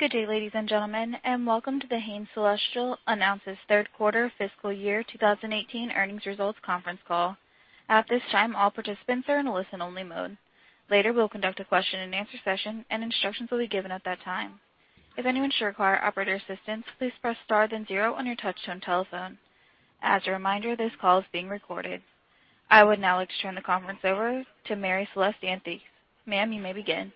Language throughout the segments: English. Good day, ladies and gentlemen, and welcome to The Hain Celestial Announces Third Quarter Fiscal Year 2018 Earnings Results Conference Call. At this time, all participants are in a listen-only mode. Later, we'll conduct a question and answer session and instructions will be given at that time. If anyone should require operator assistance, please press star then zero on your touch-tone telephone. As a reminder, this call is being recorded. I would now like to turn the conference over to Mary Celeste Anthes. Ma'am, you may begin.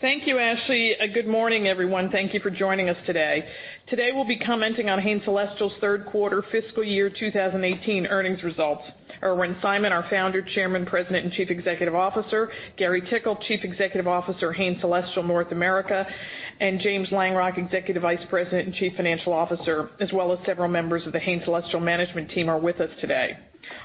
Thank you, Ashley. Good morning, everyone. Thank you for joining us today. Today we'll be commenting on Hain Celestial's third quarter fiscal year 2018 earnings results. Irwin Simon, our Founder, Chairman, President, and Chief Executive Officer, Gary Tickle, Chief Executive Officer, Hain Celestial North America, and James Langrock, Executive Vice President and Chief Financial Officer, as well as several members of The Hain Celestial management team are with us today.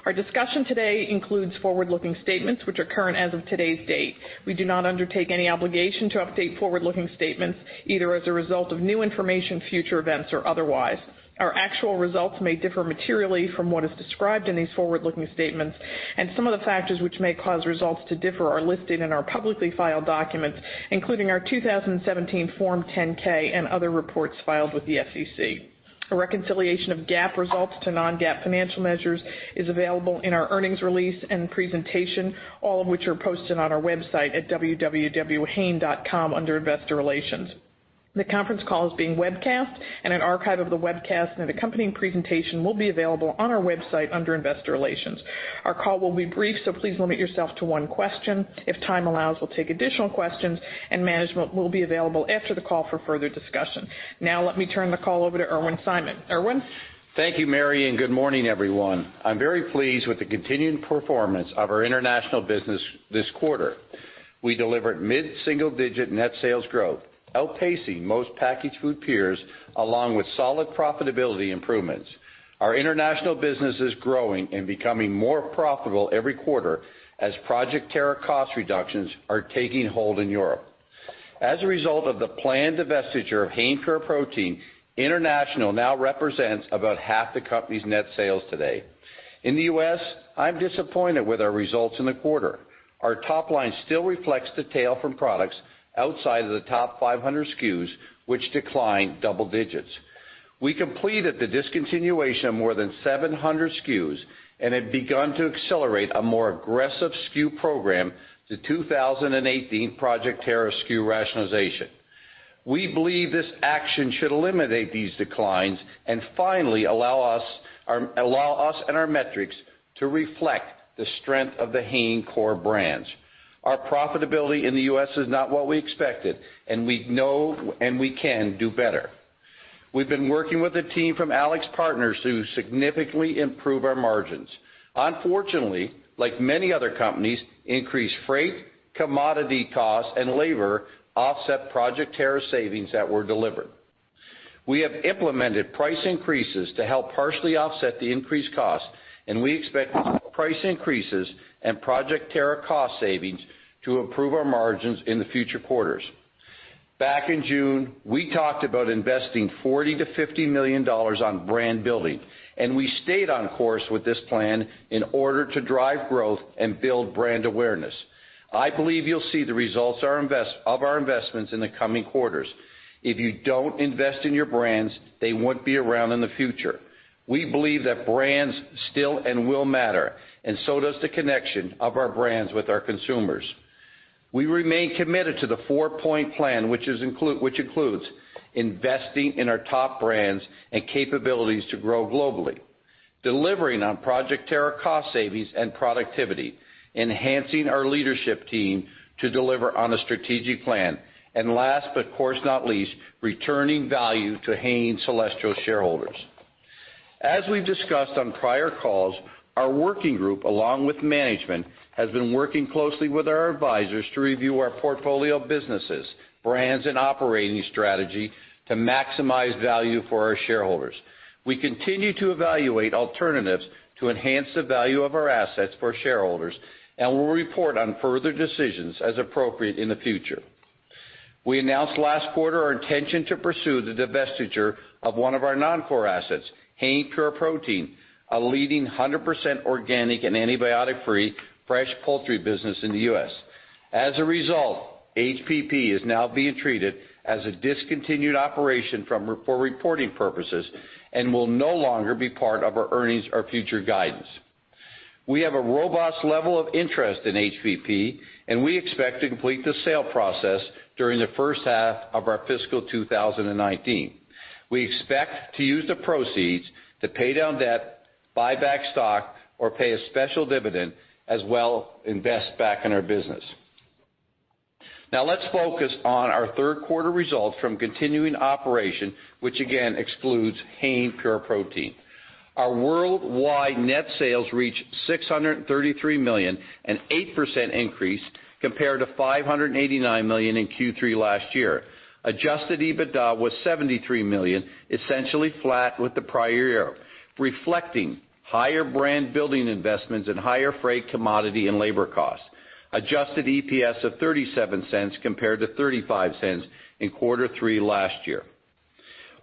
Our discussion today includes forward-looking statements which are current as of today's date. We do not undertake any obligation to update forward-looking statements, either as a result of new information, future events, or otherwise. Our actual results may differ materially from what is described in these forward-looking statements, and some of the factors which may cause results to differ are listed in our publicly filed documents, including our 2017 Form 10-K and other reports filed with the SEC. A reconciliation of GAAP results to non-GAAP financial measures is available in our earnings release and presentation, all of which are posted on our website at www.hain.com under Investor Relations. The conference call is being webcast, and an archive of the webcast and accompanying presentation will be available on our website under Investor Relations. Our call will be brief, please limit yourself to one question. If time allows, we'll take additional questions, and management will be available after the call for further discussion. Now, let me turn the call over to Irwin Simon. Irwin? Thank you, Mary, and good morning, everyone. I'm very pleased with the continuing performance of our international business this quarter. We delivered mid-single-digit net sales growth, outpacing most packaged food peers, along with solid profitability improvements. Our international business is growing and becoming more profitable every quarter as Project Terra cost reductions are taking hold in Europe. As a result of the planned divestiture of Hain Pure Protein, international now represents about half the company's net sales today. In the U.S., I'm disappointed with our results in the quarter. Our top line still reflects the tail from products outside of the top 500 SKUs, which declined double digits. We completed the discontinuation of more than 700 SKUs and have begun to accelerate a more aggressive SKU program, the 2018 Project Terra SKU rationalization. We believe this action should eliminate these declines and finally allow us and our metrics to reflect the strength of the Hain core brands. Our profitability in the U.S. is not what we expected. We know and we can do better. We've been working with a team from AlixPartners to significantly improve our margins. Unfortunately, like many other companies, increased freight, commodity costs, and labor offset Project Terra savings that were delivered. We have implemented price increases to help partially offset the increased costs. We expect price increases and Project Terra cost savings to improve our margins in the future quarters. Back in June, we talked about investing $40 million-$50 million on brand building. We stayed on course with this plan in order to drive growth and build brand awareness. I believe you'll see the results of our investments in the coming quarters. If you don't invest in your brands, they won't be around in the future. We believe that brands still and will matter. So does the connection of our brands with our consumers. We remain committed to the four-point plan, which includes investing in our top brands and capabilities to grow globally, delivering on Project Terra cost savings and productivity, enhancing our leadership team to deliver on a strategic plan. Last, but of course not least, returning value to Hain Celestial shareholders. As we've discussed on prior calls, our working group, along with management, has been working closely with our advisors to review our portfolio of businesses, brands, and operating strategy to maximize value for our shareholders. We continue to evaluate alternatives to enhance the value of our assets for shareholders. Will report on further decisions as appropriate in the future. We announced last quarter our intention to pursue the divestiture of one of our non-core assets, Hain Pure Protein, a leading 100% organic and antibiotic-free fresh poultry business in the U.S. As a result, HPP is now being treated as a discontinued operation for reporting purposes and will no longer be part of our earnings or future guidance. We have a robust level of interest in HPP. We expect to complete the sale process during the first half of our fiscal 2019. We expect to use the proceeds to pay down debt, buy back stock, or pay a special dividend, as well invest back in our business. Let's focus on our third quarter results from continuing operation, which again excludes Hain Pure Protein. Our worldwide net sales reached $633 million, an 8% increase compared to $589 million in Q3 last year. Adjusted EBITDA was $73 million, essentially flat with the prior year, reflecting higher brand building investments and higher freight, commodity, and labor costs. Adjusted EPS of $0.37 compared to $0.35 in quarter three last year.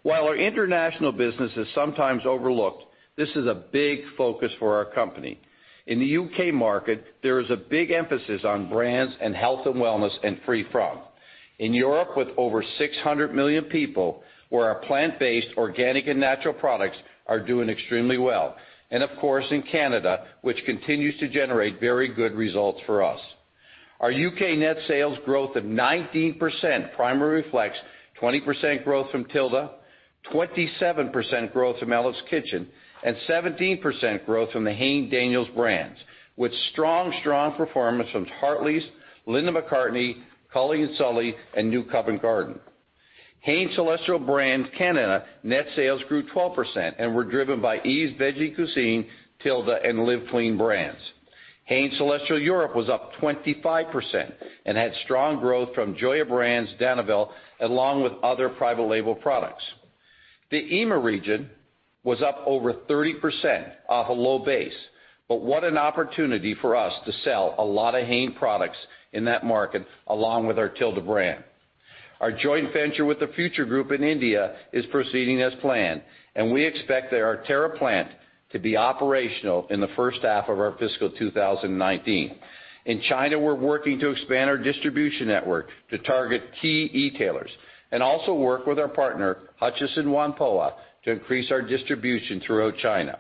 While our international business is sometimes overlooked, this is a big focus for our company. In the U.K. market, there is a big emphasis on brands and health and wellness and free-from. In Europe, with over 600 million people, where our plant-based, organic, and natural products are doing extremely well. Of course, in Canada, which continues to generate very good results for us. Our U.K. net sales growth of 19% primarily reflects 20% growth from Tilda, 27% growth from Ella's Kitchen, and 17% growth from the Hain Daniels brands, with strong performance from Hartley's, Linda McCartney, Cully & Sully, and New Covent Garden. Hain Celestial Brands Canada net sales grew 12% and were driven by Yves Veggie Cuisine, Tilda, and Live Clean brands. Hain Celestial Europe was up 25% and had strong growth from Joya brands, Danival, along with other private label products. EMEA region was up over 30% off a low base. What an opportunity for us to sell a lot of Hain products in that market along with our Tilda brand. Our joint venture with the Future Group in India is proceeding as planned. We expect their [inaudible] plant to be operational in the first half of our fiscal 2019. In China, we're working to expand our distribution network to target key e-tailers. Also work with our partner, Hutchison Whampoa, to increase our distribution throughout China.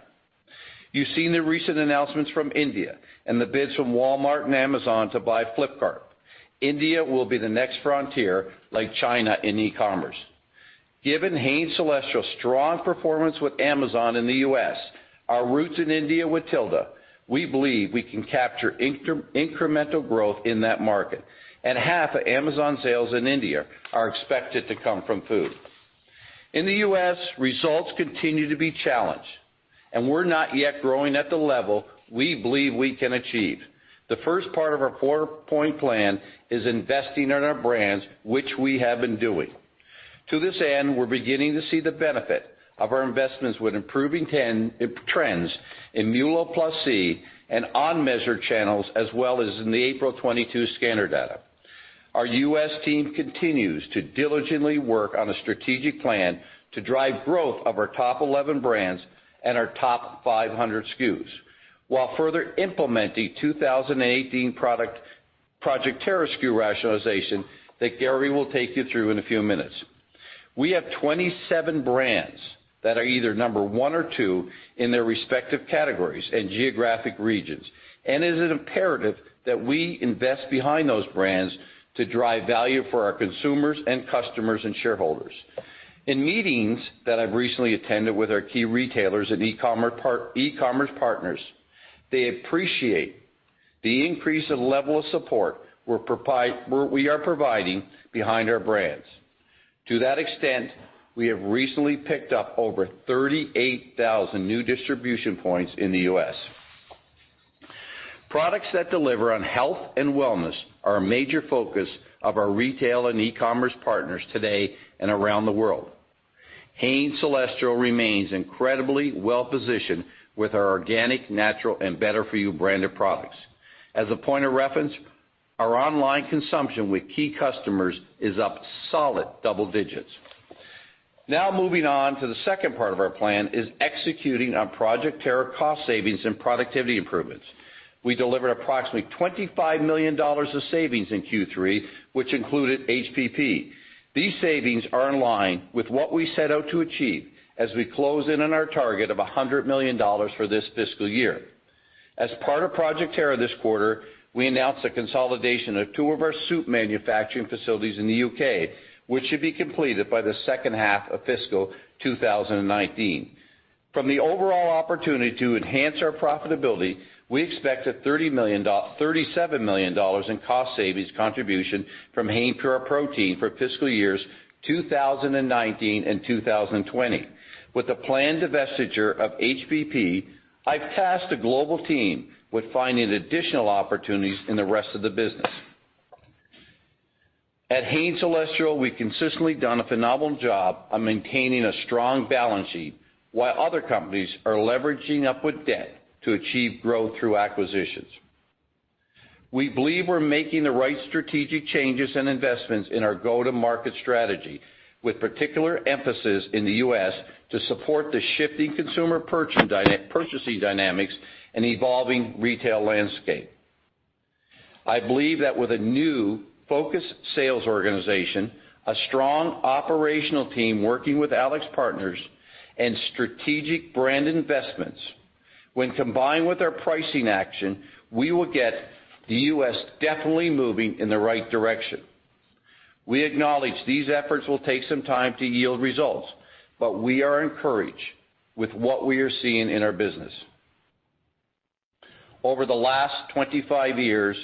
You've seen the recent announcements from India and the bids from Walmart and Amazon to buy Flipkart. India will be the next frontier like China in e-commerce. Given Hain Celestial's strong performance with Amazon in the U.S., our roots in India with Tilda, we believe we can capture incremental growth in that market. Half of Amazon sales in India are expected to come from food. In the U.S., results continue to be challenged. We're not yet growing at the level we believe we can achieve. The first part of our four-point plan is investing in our brands, which we have been doing. To this end, we're beginning to see the benefit of our investments with improving trends in MULO+C and unmeasured channels, as well as in the April 22 scanner data. Our U.S. team continues to diligently work on a strategic plan to drive growth of our top 11 brands and our top 500 SKUs, while further implementing 2018 Project Terra SKU rationalization that Gary will take you through in a few minutes. We have 27 brands that are either number 1 or 2 in their respective categories and geographic regions. It is imperative that we invest behind those brands to drive value for our consumers and customers and shareholders. In meetings that I've recently attended with our key retailers and e-commerce partners, they appreciate the increase in level of support we are providing behind our brands. To that extent, we have recently picked up over 38,000 new distribution points in the U.S. Products that deliver on health and wellness are a major focus of our retail and e-commerce partners today and around the world. Hain Celestial remains incredibly well-positioned with our organic, natural, and better-for-you branded products. As a point of reference, our online consumption with key customers is up solid double digits. Now, moving on to the second part of our plan is executing on Project Terra cost savings and productivity improvements. We delivered approximately $25 million of savings in Q3, which included HPP. These savings are in line with what we set out to achieve as we close in on our target of $100 million for this fiscal year. As part of Project Terra this quarter, we announced the consolidation of two of our soup manufacturing facilities in the U.K., which should be completed by the second half of fiscal 2019. From the overall opportunity to enhance our profitability, we expect a $37 million in cost savings contribution from Hain Pure Protein for fiscal years 2019 and 2020. With the planned divestiture of HPP, I've tasked the global team with finding additional opportunities in the rest of the business. At The Hain Celestial Group, we've consistently done a phenomenal job of maintaining a strong balance sheet while other companies are leveraging up with debt to achieve growth through acquisitions. We believe we're making the right strategic changes and investments in our go-to-market strategy, with particular emphasis in the U.S. to support the shifting consumer purchasing dynamics and evolving retail landscape. I believe that with a new focused sales organization, a strong operational team working with AlixPartners, and strategic brand investments, when combined with our pricing action, we will get the U.S. definitely moving in the right direction. We acknowledge these efforts will take some time to yield results, but we are encouraged with what we are seeing in our business. Over the last 25 years,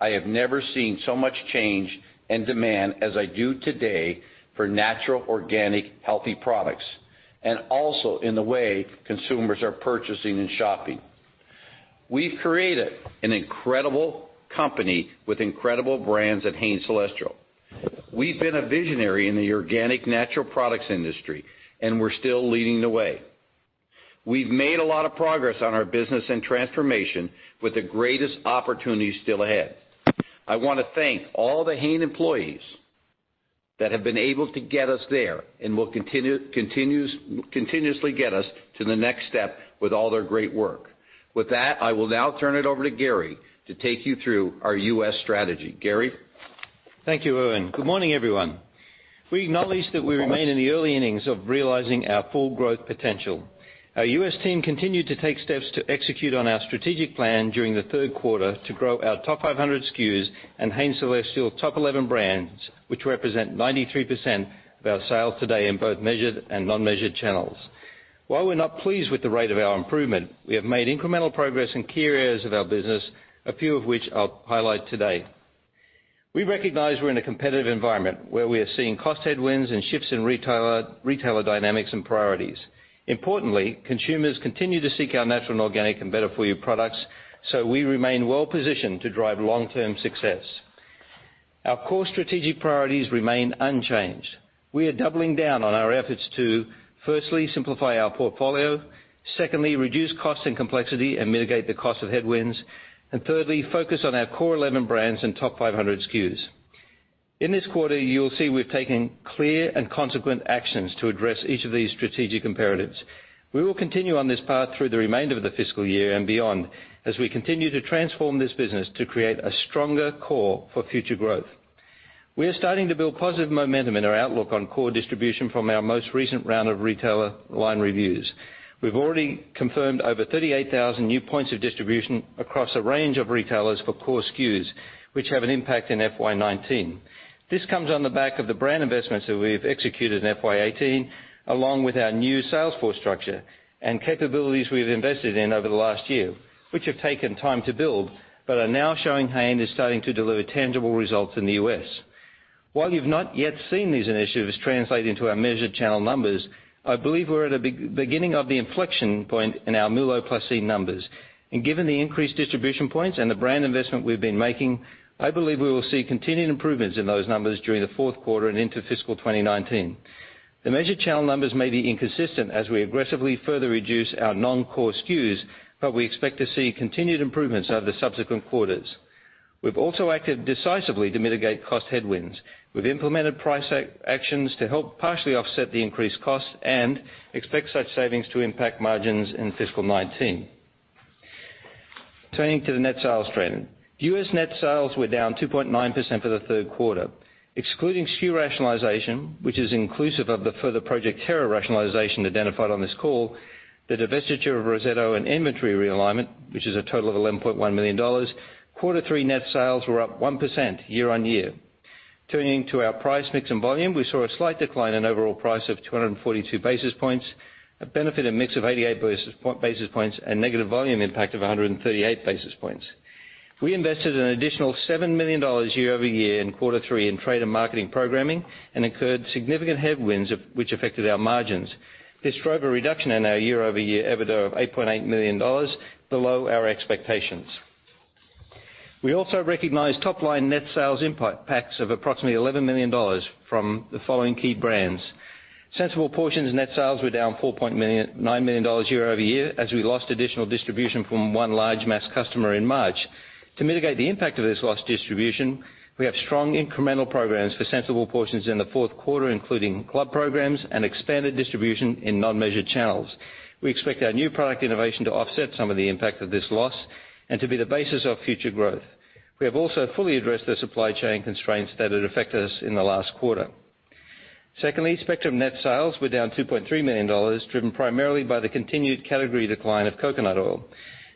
I have never seen so much change and demand as I do today for natural, organic, healthy products, and also in the way consumers are purchasing and shopping. We've created an incredible company with incredible brands at The Hain Celestial Group. We've been a visionary in the organic natural products industry, and we're still leading the way. We've made a lot of progress on our business and transformation with the greatest opportunities still ahead. I want to thank all the Hain employees that have been able to get us there, and will continuously get us to the next step with all their great work. With that, I will now turn it over to Gary to take you through our U.S. strategy. Gary? Thank you, Irwin. Good morning, everyone. We acknowledge that we remain in the early innings of realizing our full growth potential. Our U.S. team continued to take steps to execute on our strategic plan during the third quarter to grow our top 500 SKUs and The Hain Celestial Group top 11 brands, which represent 93% of our sales today in both measured and non-measured channels. While we're not pleased with the rate of our improvement, we have made incremental progress in key areas of our business, a few of which I'll highlight today. We recognize we're in a competitive environment where we are seeing cost headwinds and shifts in retailer dynamics and priorities. Importantly, consumers continue to seek our natural and organic and better-for-you products, so we remain well positioned to drive long-term success. Our core strategic priorities remain unchanged. We are doubling down on our efforts to, firstly, simplify our portfolio. Secondly, reduce cost and complexity and mitigate the cost of headwinds. Thirdly, focus on our core 11 brands and top 500 SKUs. In this quarter, you'll see we've taken clear and consequent actions to address each of these strategic imperatives. We will continue on this path through the remainder of the fiscal year and beyond, as we continue to transform this business to create a stronger core for future growth. We are starting to build positive momentum in our outlook on core distribution from our most recent round of retailer line reviews. We've already confirmed over 38,000 new points of distribution across a range of retailers for core SKUs, which have an impact in FY 2019. This comes on the back of the brand investments that we've executed in FY 2018, along with our new sales force structure and capabilities we've invested in over the last year, which have taken time to build, but are now showing Hain is starting to deliver tangible results in the U.S. While you've not yet seen these initiatives translate into our measured channel numbers, I believe we're at a beginning of the inflection point in our MULO+C numbers. Given the increased distribution points and the brand investment we've been making, I believe we will see continued improvements in those numbers during the fourth quarter and into fiscal 2019. The measured channel numbers may be inconsistent as we aggressively further reduce our non-core SKUs, but we expect to see continued improvements over the subsequent quarters. We've also acted decisively to mitigate cost headwinds. We've implemented price actions to help partially offset the increased costs and expect such savings to impact margins in fiscal 2019. Turning to the net sales trend. U.S. net sales were down 2.9% for the third quarter. Excluding SKU rationalization, which is inclusive of the further Project Terra rationalization identified on this call, the divestiture of Rosetto and inventory realignment, which is a total of $11.1 million, quarter three net sales were up 1% year-over-year. Turning to our price mix and volume, we saw a slight decline in overall price of 242 basis points, a benefit in mix of 88 basis points, and negative volume impact of 138 basis points. We invested an additional $7 million year-over-year in quarter three in trade and marketing programming and incurred significant headwinds which affected our margins. This drove a reduction in our year-over-year EBITDA of $8.8 million below our expectations. We also recognized top-line net sales impacts of approximately $11 million from the following key brands. Sensible Portions net sales were down $4.9 million year-over-year, as we lost additional distribution from one large mass customer in March. To mitigate the impact of this lost distribution, we have strong incremental programs for Sensible Portions in the fourth quarter, including club programs and expanded distribution in non-measured channels. We expect our new product innovation to offset some of the impact of this loss and to be the basis of future growth. We have also fully addressed the supply chain constraints that had affected us in the last quarter. Secondly, Spectrum net sales were down $2.3 million, driven primarily by the continued category decline of coconut oil.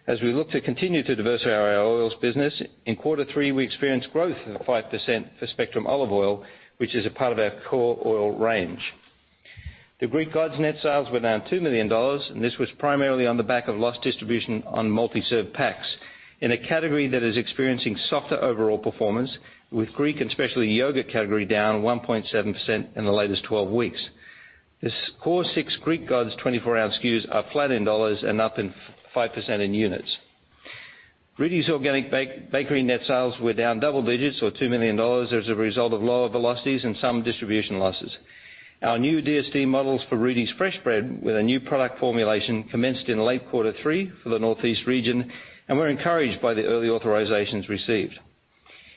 As we look to continue to diversify our oils business, in quarter three, we experienced growth of 5% for Spectrum olive oil, which is a part of our core oil range. The Greek Gods net sales were down $2 million, this was primarily on the back of lost distribution on multi-serve packs in a category that is experiencing softer overall performance with Greek and especially yogurt category down 1.7% in the latest 12 weeks. This core six Greek Gods 24-ounce SKUs are flat in dollars and up in 5% in units. Rudi's Organic Bakery net sales were down double digits or $2 million as a result of lower velocities and some distribution losses. Our new DSD models for Rudi's Fresh Bread with a new product formulation commenced in late quarter three for the Northeast region, we're encouraged by the early authorizations received.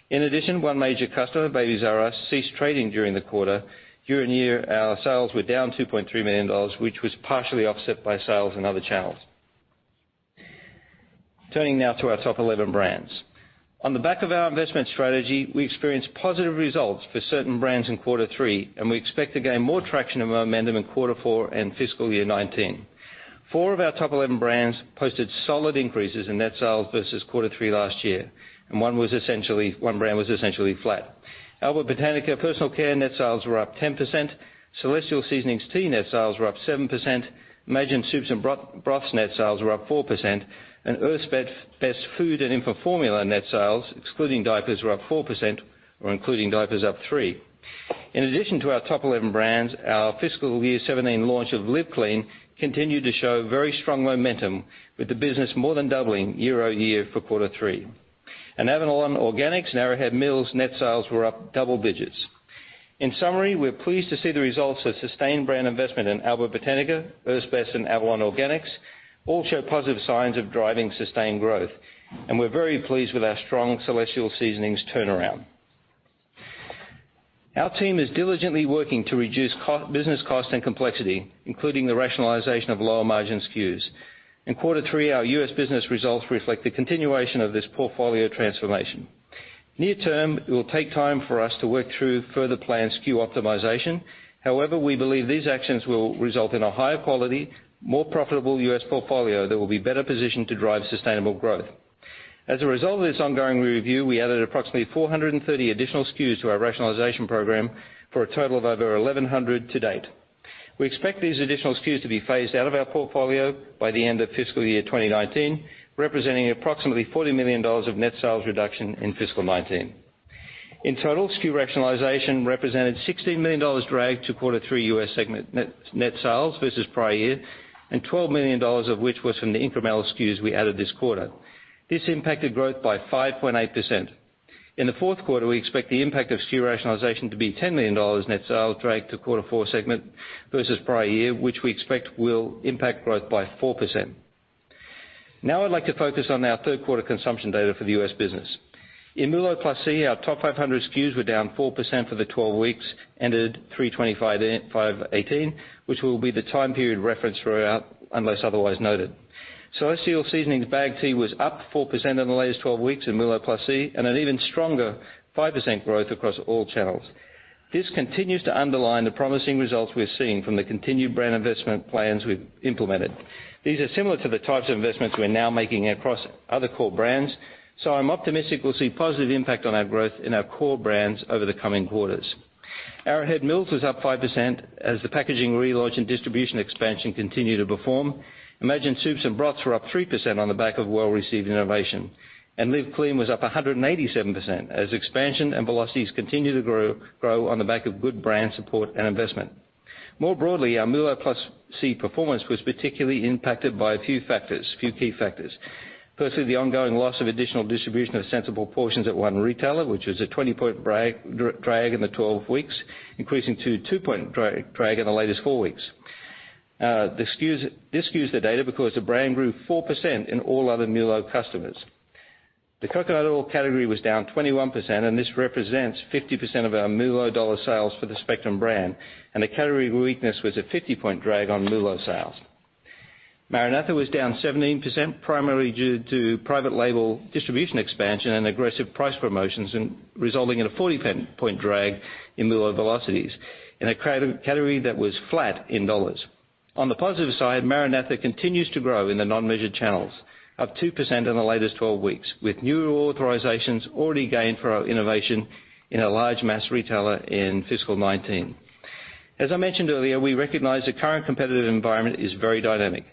In addition, one major customer, Babies R Us, ceased trading during the quarter. Year-over-year, our sales were down $2.3 million, which was partially offset by sales in other channels. Turning now to our top 11 brands. On the back of our investment strategy, we experienced positive results for certain brands in quarter three, and we expect to gain more traction and momentum in quarter four and fiscal year 2019. Four of our top 11 brands posted solid increases in net sales versus quarter three last year, and one brand was essentially flat. Alba Botanica personal care net sales were up 10%, Celestial Seasonings tea net sales were up 7%, Imagine Soups and Broths net sales were up 4%, and Earth's Best food and infant formula net sales, excluding diapers, were up 4%, or including diapers, up 3%. In addition to our top 11 brands, our fiscal year 2017 launch of Live Clean continued to show very strong momentum with the business more than doubling year-over-year for quarter three. Avalon Organics and Arrowhead Mills net sales were up double digits. In summary, we're pleased to see the results of sustained brand investment in Alba Botanica, Earth's Best, and Avalon Organics all show positive signs of driving sustained growth. We're very pleased with our strong Celestial Seasonings turnaround. Our team is diligently working to reduce business cost and complexity, including the rationalization of lower margin SKUs. In quarter three, our U.S. business results reflect the continuation of this portfolio transformation. Near term, it will take time for us to work through further planned SKU optimization. However, we believe these actions will result in a higher quality, more profitable U.S. portfolio that will be better positioned to drive sustainable growth. As a result of this ongoing review, we added approximately 430 additional SKUs to our rationalization program for a total of over 1,100 to date. We expect these additional SKUs to be phased out of our portfolio by the end of fiscal year 2019, representing approximately $40 million of net sales reduction in fiscal 2019. In total, SKU rationalization represented $16 million drag to quarter three U.S. segment net sales versus prior year, and $12 million of which was from the incremental SKUs we added this quarter. This impacted growth by 5.8%. In the fourth quarter, we expect the impact of SKU rationalization to be $10 million net sales drag to quarter four segment versus prior year, which we expect will impact growth by 4%. Now I'd like to focus on our third quarter consumption data for the U.S. business. In MULO+C, our top 500 SKUs were down 4% for the 12 weeks ended 3/25/2018, which will be the time period referenced throughout, unless otherwise noted. Celestial Seasonings bagged tea was up 4% in the latest 12 weeks in MULO+C, and an even stronger 5% growth across all channels. This continues to underline the promising results we're seeing from the continued brand investment plans we've implemented. These are similar to the types of investments we're now making across other core brands, so I'm optimistic we'll see positive impact on our growth in our core brands over the coming quarters. Arrowhead Mills was up 5% as the packaging relaunch and distribution expansion continue to perform. Imagine Soups and Broths were up 3% on the back of well-received innovation. Live Clean was up 187% as expansion and velocities continue to grow on the back of good brand support and investment. More broadly, our MULO+C performance was particularly impacted by a few key factors. Firstly, the ongoing loss of additional distribution of Sensible Portions at one retailer, which was a 20-point drag in the 12 weeks, increasing to a 2-point drag in the latest four weeks. Discuss the data because the brand grew 4% in all other MULO customers. The coconut oil category was down 21%, and this represents 50% of our MULO dollar sales for the Spectrum brand, and the category weakness was a 50-point drag on MULO sales. MaraNatha was down 17%, primarily due to private label distribution expansion and aggressive price promotions, resulting in a 40-point drag in MULO velocities in a category that was flat in dollars. On the positive side, MaraNatha continues to grow in the non-measured channels, up 2% in the latest 12 weeks, with new authorizations already gained for our innovation in a large mass retailer in fiscal 2019. As I mentioned earlier, we recognize the current competitive environment is very dynamic.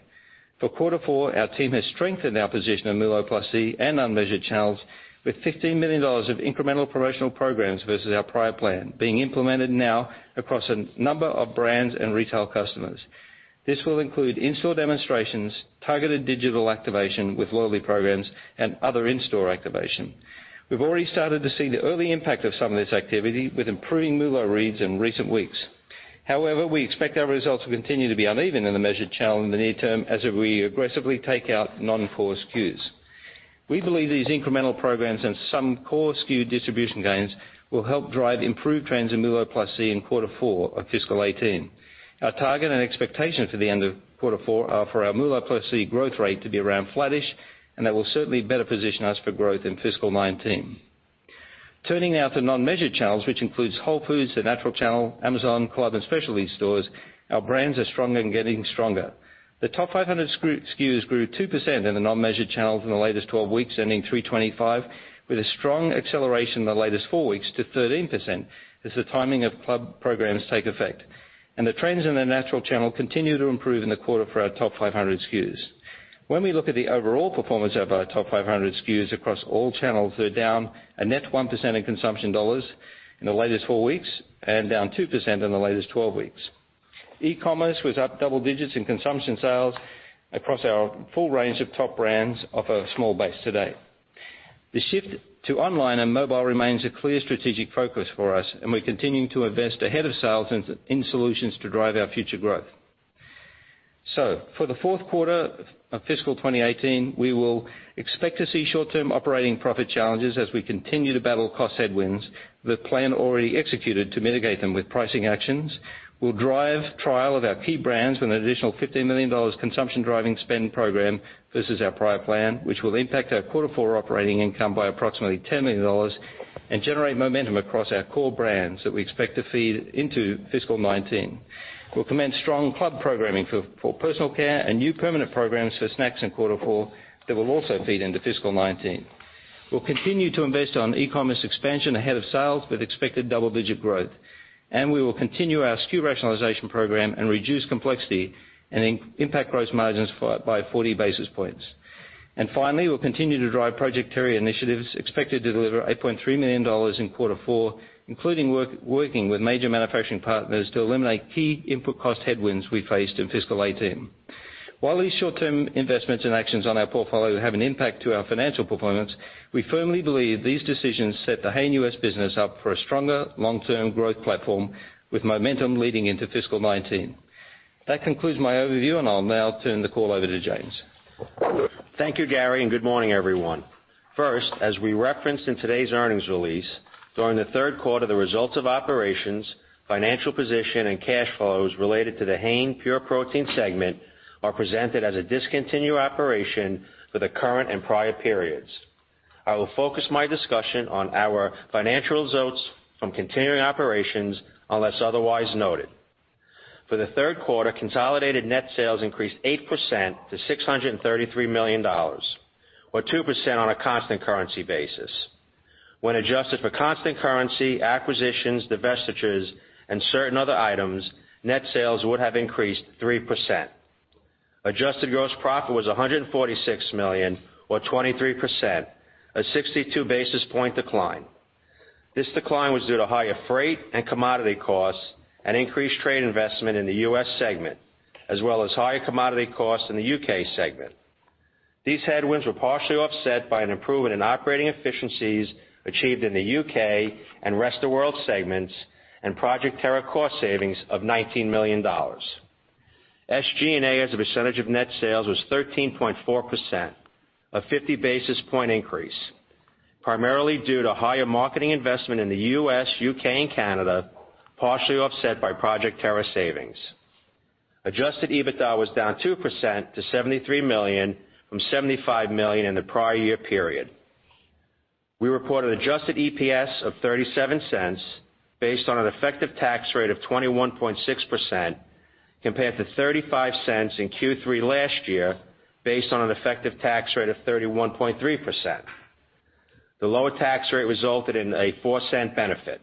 Quarter four, our team has strengthened our position in MULO+C and unmeasured channels with $15 million of incremental promotional programs versus our prior plan being implemented now across a number of brands and retail customers. This will include in-store demonstrations, targeted digital activation with loyalty programs, and other in-store activation. We've already started to see the early impact of some of this activity, with improving MULO reads in recent weeks. However, we expect our results to continue to be uneven in the measured channel in the near term as we aggressively take out non-core SKUs. We believe these incremental programs and some core SKU distribution gains will help drive improved trends in MULO+C in quarter four of fiscal 2018. Our target and expectation for the end of quarter four are for our MULO+C growth rate to be around flattish, that will certainly better position us for growth in fiscal 2019. Turning now to non-measured channels, which includes Whole Foods, the natural channel, Amazon, club, and specialty stores, our brands are strong and getting stronger. The top 500 SKUs grew 2% in the non-measured channels in the latest 12 weeks ending 3/25, with a strong acceleration in the latest four weeks to 13% as the timing of club programs take effect. The trends in the natural channel continue to improve in the quarter for our top 500 SKUs. When we look at the overall performance of our top 500 SKUs across all channels, they're down a net 1% in consumption dollars in the latest four weeks and down 2% in the latest 12 weeks. E-commerce was up double digits in consumption sales across our full range of top brands off a small base to date. The shift to online and mobile remains a clear strategic focus for us, and we're continuing to invest ahead of sales in solutions to drive our future growth. For the fourth quarter of fiscal 2018, we will expect to see short-term operating profit challenges as we continue to battle cost headwinds with plan already executed to mitigate them with pricing actions. We'll drive trial of our key brands with an additional $15 million consumption-driving spend program versus our prior plan, which will impact our quarter four operating income by approximately $10 million and generate momentum across our core brands that we expect to feed into fiscal 2019. We'll commence strong club programming for personal care and new permanent programs for snacks in quarter four that will also feed into fiscal 2019. We'll continue to invest on e-commerce expansion ahead of sales with expected double-digit growth. We will continue our SKU rationalization program and reduce complexity and impact gross margins by 40 basis points. Finally, we'll continue to drive Project Terra initiatives expected to deliver $8.3 million in quarter four, including working with major manufacturing partners to eliminate key input cost headwinds we faced in fiscal 2018. While these short-term investments and actions on our portfolio have an impact to our financial performance, we firmly believe these decisions set the Hain U.S. business up for a stronger long-term growth platform with momentum leading into fiscal 2019. That concludes my overview, and I'll now turn the call over to James. Thank you, Gary, and good morning, everyone. First, as we referenced in today's earnings release, during the third quarter, the results of operations, financial position, and cash flows related to the Hain Pure Protein segment are presented as a discontinued operation for the current and prior periods. I will focus my discussion on our financial results from continuing operations unless otherwise noted. For the third quarter, consolidated net sales increased 8% to $633 million, or 2% on a constant currency basis. When adjusted for constant currency, acquisitions, divestitures, and certain other items, net sales would have increased 3%. Adjusted gross profit was $146 million, or 23%, a 62-basis-point decline. This decline was due to higher freight and commodity costs and increased trade investment in the U.S. segment, as well as higher commodity costs in the U.K. segment. These headwinds were partially offset by an improvement in operating efficiencies achieved in the U.K. and rest-of-world segments and Project Terra cost savings of $19 million. SG&A as a percentage of net sales was 13.4%, a 50-basis-point increase, primarily due to higher marketing investment in the U.S., U.K., and Canada, partially offset by Project Terra savings. Adjusted EBITDA was down 2% to $73 million from $75 million in the prior year period. We reported adjusted EPS of $0.37 based on an effective tax rate of 21.6% compared to $0.35 in Q3 last year based on an effective tax rate of 31.3%. The lower tax rate resulted in a $0.04 benefit.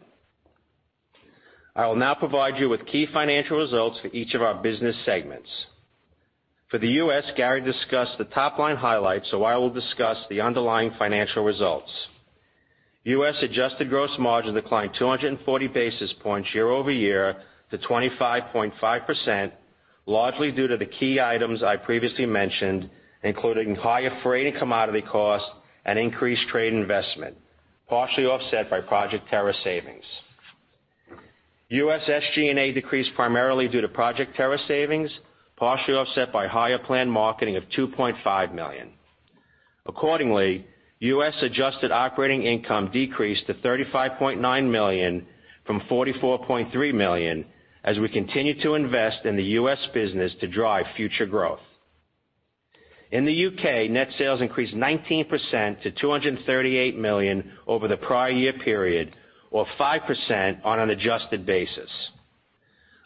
I will now provide you with key financial results for each of our business segments. For the U.S., Gary discussed the top-line highlights, so I will discuss the underlying financial results. U.S. adjusted gross margin declined 240 basis points year-over-year to 25.5%, largely due to the key items I previously mentioned, including higher freight and commodity costs and increased trade investment, partially offset by Project Terra savings. U.S. SG&A decreased primarily due to Project Terra savings, partially offset by higher planned marketing of $2.5 million. Accordingly, U.S. adjusted operating income decreased to $35.9 million from $44.3 million as we continue to invest in the U.S. business to drive future growth. In the U.K., net sales increased 19% to $238 million over the prior year period, or 5% on an adjusted basis.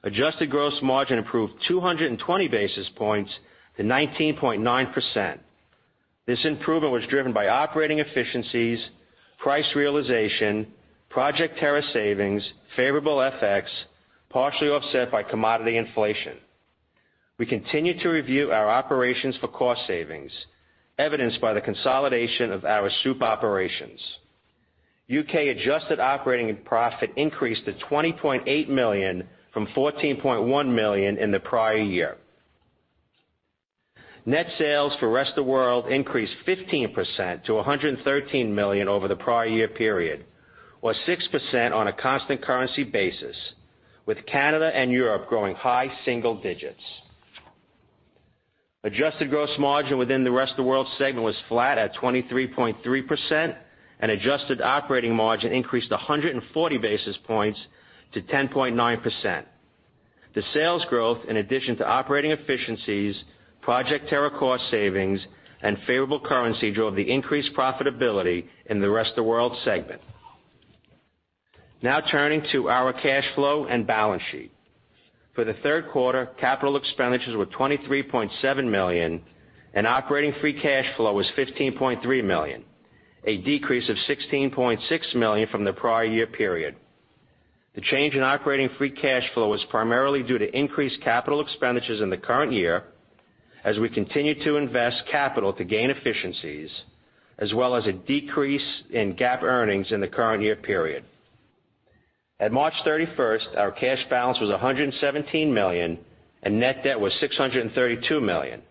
Adjusted gross margin improved 220 basis points to 19.9%. This improvement was driven by operating efficiencies, price realization, Project Terra savings, favorable FX, partially offset by commodity inflation. We continue to review our operations for cost savings, evidenced by the consolidation of our soup operations. U.K. adjusted operating profit increased to $20.8 million from $14.1 million in the prior year. Net sales for Rest of World increased 15% to $113 million over the prior year period or 6% on a constant currency basis, with Canada and Europe growing high single digits. Adjusted gross margin within the Rest of World segment was flat at 23.3%, and adjusted operating margin increased 140 basis points to 10.9%. The sales growth, in addition to operating efficiencies, Project Terra cost savings, and favorable currency, drove the increased profitability in the Rest of World segment. Now turning to our cash flow and balance sheet. For the third quarter, capital expenditures were $23.7 million, and operating free cash flow was $15.3 million, a decrease of $16.6 million from the prior year period. The change in operating free cash flow was primarily due to increased capital expenditures in the current year as we continue to invest capital to gain efficiencies, as well as a decrease in GAAP earnings in the current year period. At March 31st, our cash balance was $117 million, and net debt was $632 million,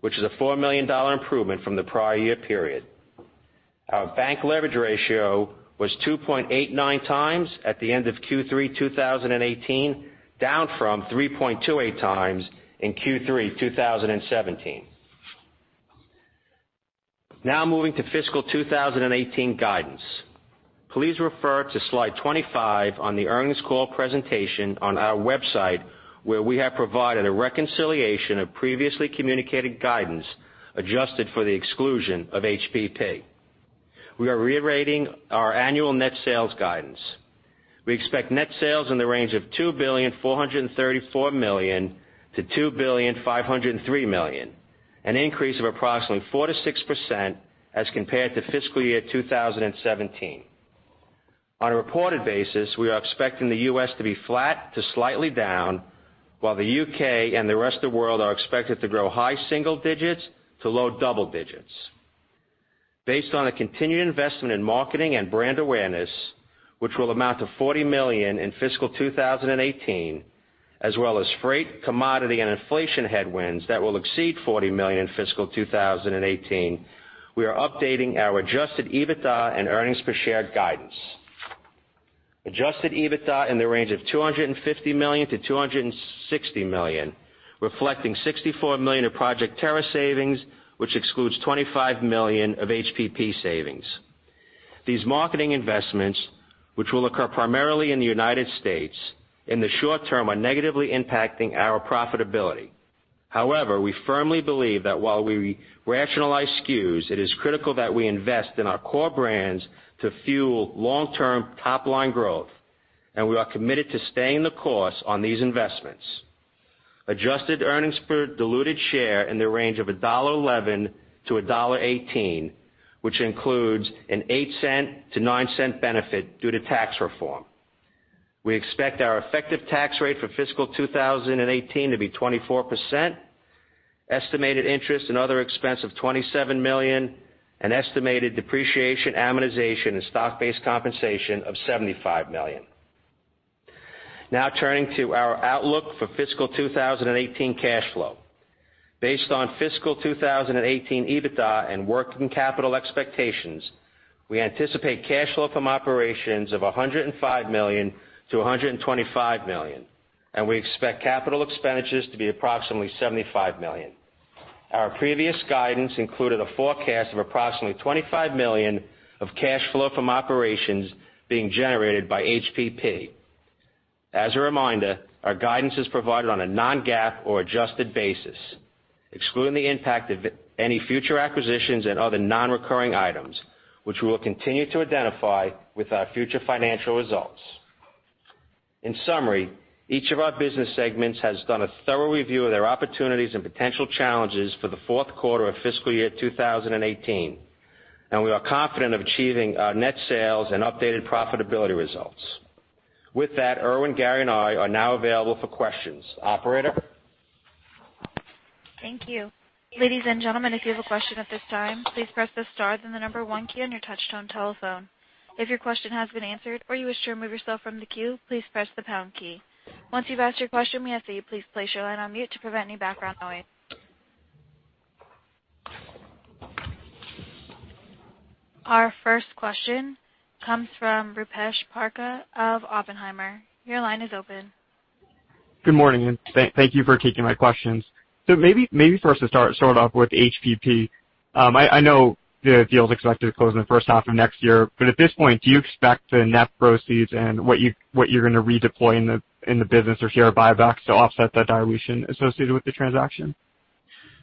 which is a $4 million improvement from the prior year period. Our bank leverage ratio was 2.89 times at the end of Q3 2018, down from 3.28 times in Q3 2017. Now moving to fiscal 2018 guidance. Please refer to slide 25 on the earnings call presentation on our website, where we have provided a reconciliation of previously communicated guidance adjusted for the exclusion of HPP. We are reiterating our annual net sales guidance. We expect net sales in the range of $2.434 billion-$2.503 billion, an increase of approximately 4%-6% as compared to fiscal year 2017. On a reported basis, we are expecting the U.S. to be flat to slightly down, while the U.K. and the Rest of World are expected to grow high single digits to low double digits. Based on a continued investment in marketing and brand awareness, which will amount to $40 million in fiscal 2018, as well as freight, commodity, and inflation headwinds that will exceed $40 million in fiscal 2018, we are updating our adjusted EBITDA and earnings per share guidance. Adjusted EBITDA in the range of $250 million to $260 million, reflecting $64 million of Project Terra savings, which excludes $25 million of HPP savings. These marketing investments, which will occur primarily in the United States, in the short term, are negatively impacting our profitability. However, we firmly believe that while we rationalize SKUs, it is critical that we invest in our core brands to fuel long-term top-line growth, and we are committed to staying the course on these investments. Adjusted earnings per diluted share in the range of $1.11-$1.18, which includes an $0.08-$0.09 benefit due to tax reform. We expect our effective tax rate for fiscal 2018 to be 24%, estimated interest and other expense of $27 million, an estimated depreciation, amortization, and stock-based compensation of $75 million. Turning to our outlook for fiscal 2018 cash flow. Based on fiscal 2018 EBITDA and working capital expectations, we anticipate cash flow from operations of $105 million-$125 million, and we expect capital expenditures to be approximately $75 million. Our previous guidance included a forecast of approximately $25 million of cash flow from operations being generated by HPP. As a reminder, our guidance is provided on a non-GAAP or adjusted basis, excluding the impact of any future acquisitions and other non-recurring items, which we will continue to identify with our future financial results. In summary, each of our business segments has done a thorough review of their opportunities and potential challenges for the fourth quarter of fiscal year 2018, and we are confident of achieving our net sales and updated profitability results. With that, Irwin, Gary, and I are now available for questions. Operator? Thank you. Ladies and gentlemen, if you have a question at this time, please press the star then the number one key on your touch-tone telephone. If your question has been answered or you wish to remove yourself from the queue, please press the pound key. Once you've asked your question, may I ask that you please place your line on mute to prevent any background noise. Our first question comes from Rupesh Parikh of Oppenheimer. Your line is open. Good morning, and thank you for taking my questions. Maybe first to start off with HPP. I know the deal's expected to close in the first half of next year, but at this point, do you expect the net proceeds and what you're going to redeploy in the business or share buybacks to offset that dilution associated with the transaction?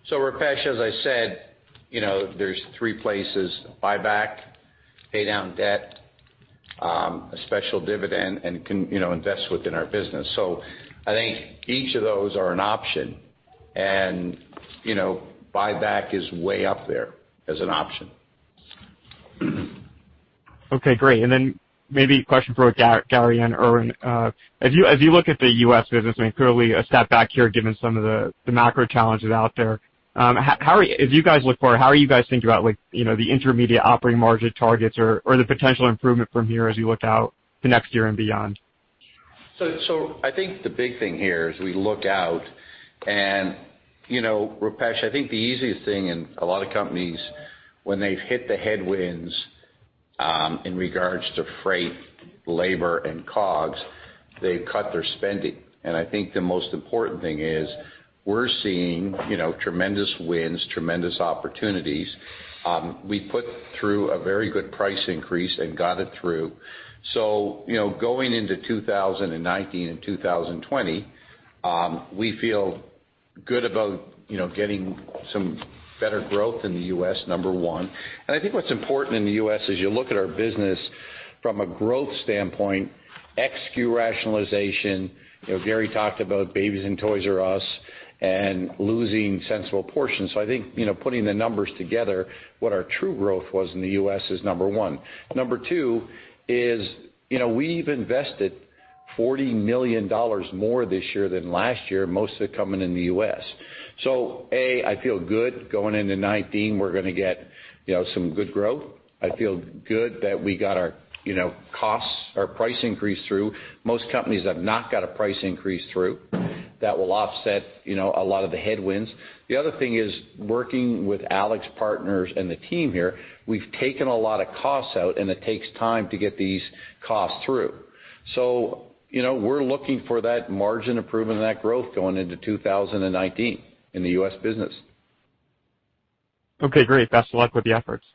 Rupesh, as I said, there are three places, buyback, pay down debt, a special dividend, and invest within our business. I think each of those are an option, and buyback is way up there as an option. Okay, great. Then maybe a question for Gary and Irwin. As you look at the U.S. business, I mean, clearly a step back here given some of the macro challenges out there. As you guys look forward, how are you guys thinking about the intermediate operating margin targets or the potential improvement from here as you look out to next year and beyond? I think the big thing here as we look out and, Rupesh, I think the easiest thing in a lot of companies when they've hit the headwinds, in regards to freight, labor, and COGS, they've cut their spending. I think the most important thing is we're seeing tremendous wins, tremendous opportunities. We put through a very good price increase and got it through. Going into 2019 and 2020, we feel good about getting some better growth in the U.S., number one. I think what's important in the U.S. as you look at our business from a growth standpoint, SKU rationalization. Gary talked about Babies R Us and Toys R Us, and losing Sensible Portions. I think, putting the numbers together, what our true growth was in the U.S. is number one. Number two is, we've invested $40 million more this year than last year, most of it coming in the U.S. A, I feel good going into 2019. We're going to get some good growth. I feel good that we got our costs, our price increase through. Most companies have not got a price increase through that will offset a lot of the headwinds. The other thing is working with AlixPartners and the team here, we've taken a lot of costs out, and it takes time to get these costs through. We're looking for that margin improvement and that growth going into 2019 in the U.S. business. Okay, great. Best of luck with the efforts.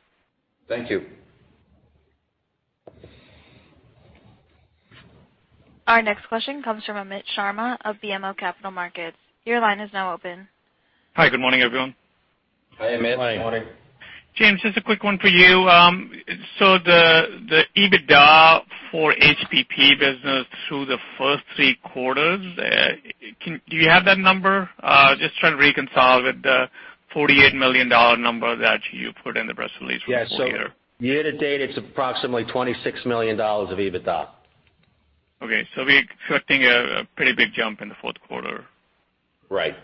Thank you. Our next question comes from Amit Sharma of BMO Capital Markets. Your line is now open. Hi, good morning, everyone. Hi, Amit. Hi. Good morning. James, just a quick one for you. The EBITDA for HPP business through the first three quarters, do you have that number? Just trying to reconcile with the $48 million number that you put in the press release from before here. Yeah. Year to date, it's approximately $26 million of EBITDA. Okay. We're expecting a pretty big jump in the fourth quarter. Right.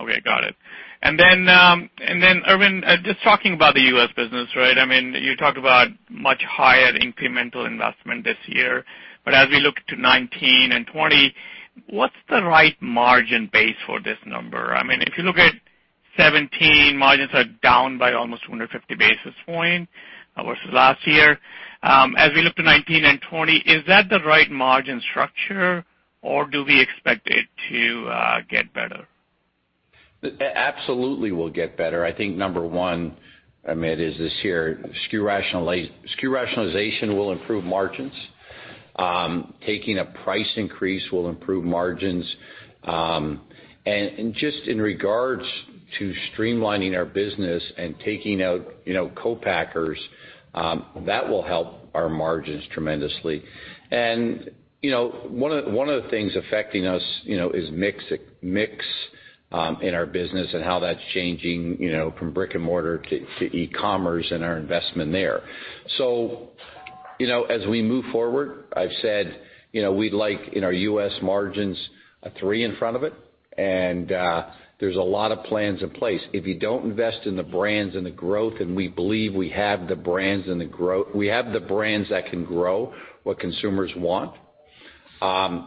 Okay, got it. Irwin, just talking about the U.S. business. You talked about much higher incremental investment this year, but as we look to 2019 and 2020, what's the right margin base for this number? If you look at 2017, margins are down by almost 250 basis points versus last year. As we look to 2019 and 2020, is that the right margin structure, or do we expect it to get better? Absolutely will get better. I think number 1, Amit, is this here, SKU rationalization will improve margins. Taking a price increase will improve margins. Just in regards to streamlining our business and taking out co-packers, that will help our margins tremendously. One of the things affecting us is mix in our business and how that's changing from brick and mortar to e-commerce and our investment there. As we move forward, I've said we'd like in our U.S. margins, a 3 in front of it. There's a lot of plans in place. If you don't invest in the brands and the growth, and we believe we have the brands that can grow what consumers want.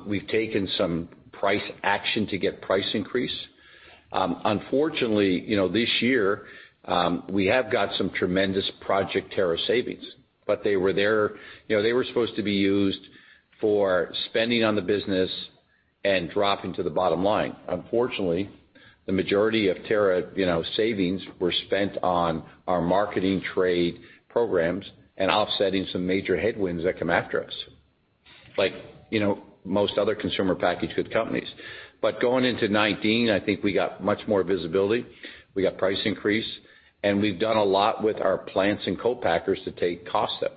We've taken some price action to get price increase. Unfortunately, this year, we have got some tremendous Project Terra savings, they were supposed to be used for spending on the business and dropping to the bottom line. Unfortunately, the majority of Terra savings were spent on our marketing trade programs and offsetting some major headwinds that come after us, like most other consumer packaged goods companies. Going into 2019, I think we got much more visibility. We got price increase, and we've done a lot with our plants and co-packers to take costs out.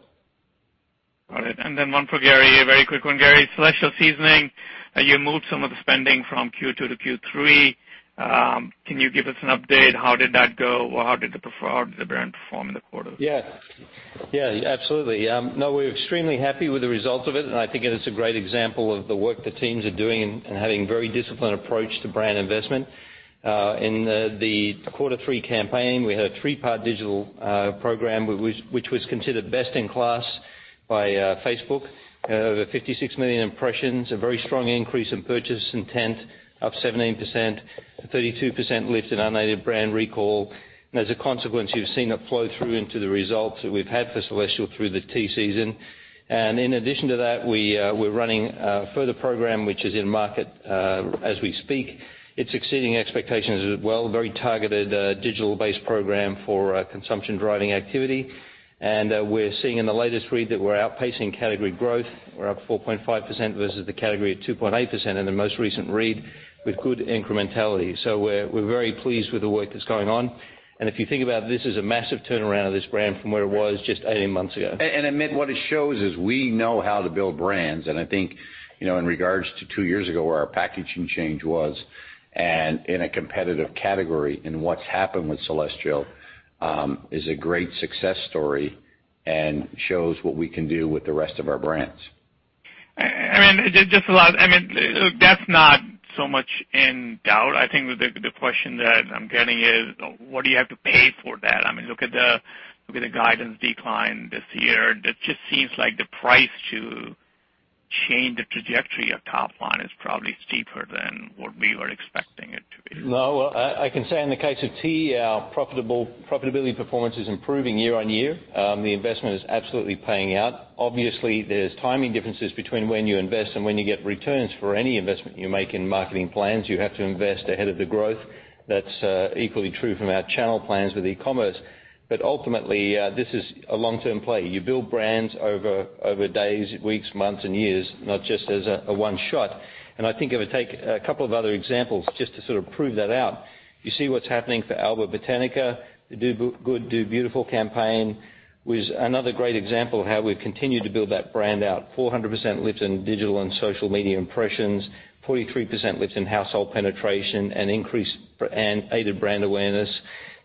Got it. Then one for Gary, a very quick one. Gary, Celestial Seasonings, you moved some of the spending from Q2 to Q3. Can you give us an update? How did that go, or how did the brand perform in the quarter? Yeah. Absolutely. We're extremely happy with the results of it, and I think it is a great example of the work the teams are doing in having very disciplined approach to brand investment. In the quarter three campaign, we had a three-part digital program which was considered best in class by Facebook. Over 56 million impressions, a very strong increase in purchase intent, up 17%, 32% lift in unaided brand recall. As a consequence, you've seen it flow through into the results that we've had for Celestial through the tea season. In addition to that, we're running a further program which is in market as we speak. It's exceeding expectations as well. Very targeted, digital-based program for consumption-driving activity. We're seeing in the latest read that we're outpacing category growth. We're up 4.5% versus the category at 2.8% in the most recent read with good incrementality. We're very pleased with the work that's going on. If you think about it, this is a massive turnaround of this brand from where it was just 18 months ago. Amit, what it shows is we know how to build brands. I think in regards to two years ago where our packaging change was and in a competitive category and what's happened with Celestial, is a great success story and shows what we can do with the rest of our brands. Irwin, that's not so much in doubt. I think the question that I'm getting is, what do you have to pay for that? Look at the guidance decline this year. That just seems like the price to change the trajectory of top line is probably steeper than what we were expecting it to be. No. I can say in the case of tea, our profitability performance is improving year-on-year. The investment is absolutely paying out. Obviously, there's timing differences between when you invest and when you get returns for any investment you make in marketing plans. You have to invest ahead of the growth. That's equally true from our channel plans with e-commerce. Ultimately, this is a long-term play. You build brands over days, weeks, months and years, not just as a one shot. I think it would take a couple of other examples just to sort of prove that out. You see what's happening for Alba Botanica. [inaudible] campaign was another great example of how we've continued to build that brand out. 400% lift in digital and social media impressions, 43% lift in household penetration, and aided brand awareness.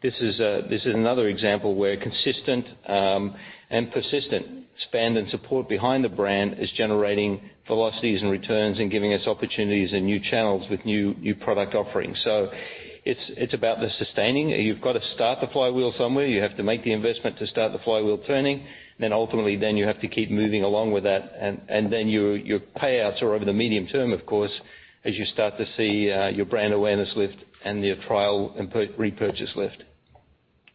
This is another example where consistent and persistent spend and support behind the brand is generating velocities and returns and giving us opportunities and new channels with new product offerings. It's about the sustaining. You've got to start the flywheel somewhere. You have to make the investment to start the flywheel turning. Ultimately, then you have to keep moving along with that, and then your payouts are over the medium term, of course, as you start to see your brand awareness lift and your trial and repurchase lift.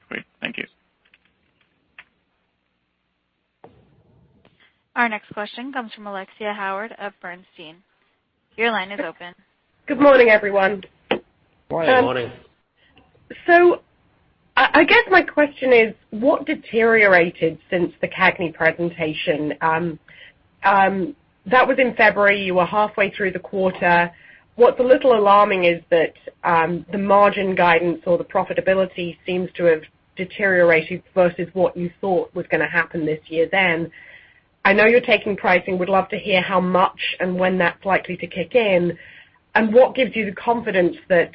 Great. Thank you. Our next question comes from Alexia Howard of Bernstein. Your line is open. Good morning, everyone. Good morning. Morning. I guess my question is what deteriorated since the CAGNY presentation? That was in February. You were halfway through the quarter. What's a little alarming is that the margin guidance or the profitability seems to have deteriorated versus what you thought was going to happen this year then. I know you're taking pricing. We'd love to hear how much and when that's likely to kick in. What gives you the confidence that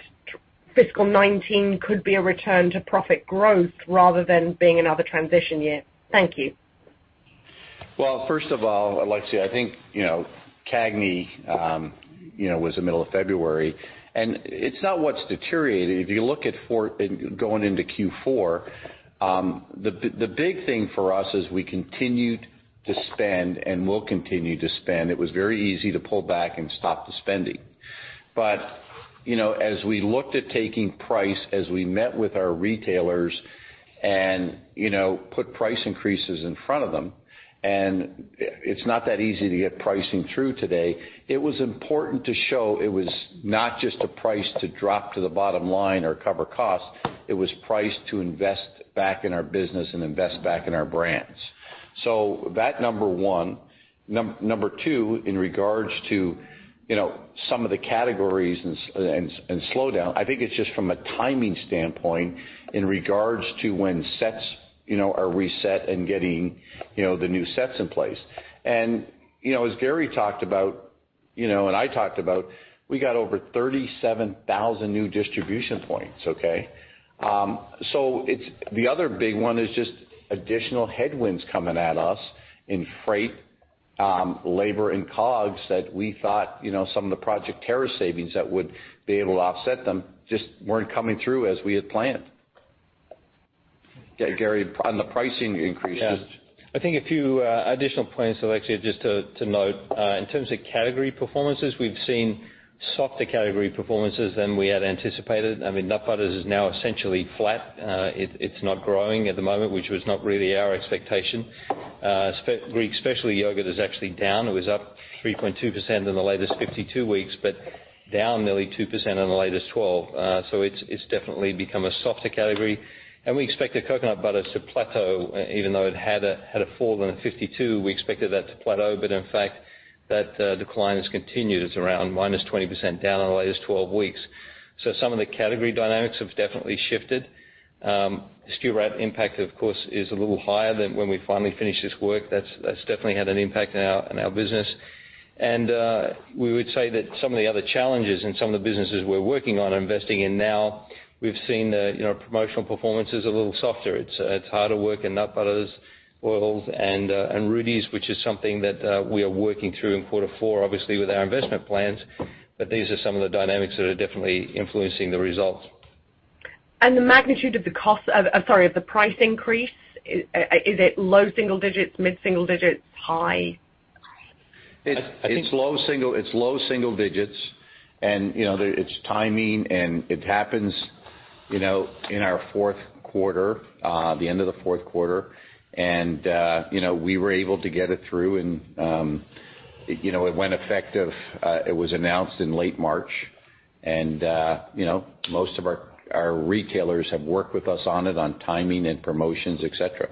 FY 2019 could be a return to profit growth rather than being another transition year. Thank you. First of all, Alexia, I think CAGNY was the middle of February. It's not what's deteriorated. If you look at going into Q4, the big thing for us is we continued to spend and will continue to spend. It was very easy to pull back and stop the spending. As we looked at taking price, as we met with our retailers and put price increases in front of them, it's not that easy to get pricing through today, it was important to show it was not just a price to drop to the bottom line or cover costs, it was price to invest back in our business and invest back in our brands. That, number one. Number two, in regards to some of the categories and slowdown, I think it's just from a timing standpoint in regards to when sets are reset and getting the new sets in place. As Gary talked about, and I talked about, we got over 37,000 new distribution points, okay? The other big one is just additional headwinds coming at us in freight, labor, and COGS that we thought, some of the Project Terra savings that would be able to offset them just weren't coming through as we had planned. Gary, on the pricing increases. I think a few additional points, Alexia, just to note. In terms of category performances, we've seen softer category performances than we had anticipated. I mean, nut butters is now essentially flat. It's not growing at the moment, which was not really our expectation. Greek specialty yogurt is actually down. It was up 3.2% in the latest 52 weeks, but down nearly 2% in the latest 12. It's definitely become a softer category. We expected coconut butters to plateau, even though it had a fall in the 52, we expected that to plateau. In fact, that decline has continued. It's around -20% down in the latest 12 weeks. Some of the category dynamics have definitely shifted. The SKU rationalization impact, of course, is a little higher than when we finally finish this work. That's definitely had an impact on our business. We would say that some of the other challenges in some of the businesses we're working on investing in now, we've seen promotional performance is a little softer. It's harder work in nut butters, oils, and Rudi's, which is something that we are working through in quarter four, obviously with our investment plans. These are some of the dynamics that are definitely influencing the results. The magnitude of the price increase, is it low single digits, mid single digits, high? It's low single digits, it's timing, it happens in our fourth quarter, the end of the fourth quarter. We were able to get it through and it went effective, it was announced in late March. Most of our retailers have worked with us on it on timing and promotions, et cetera.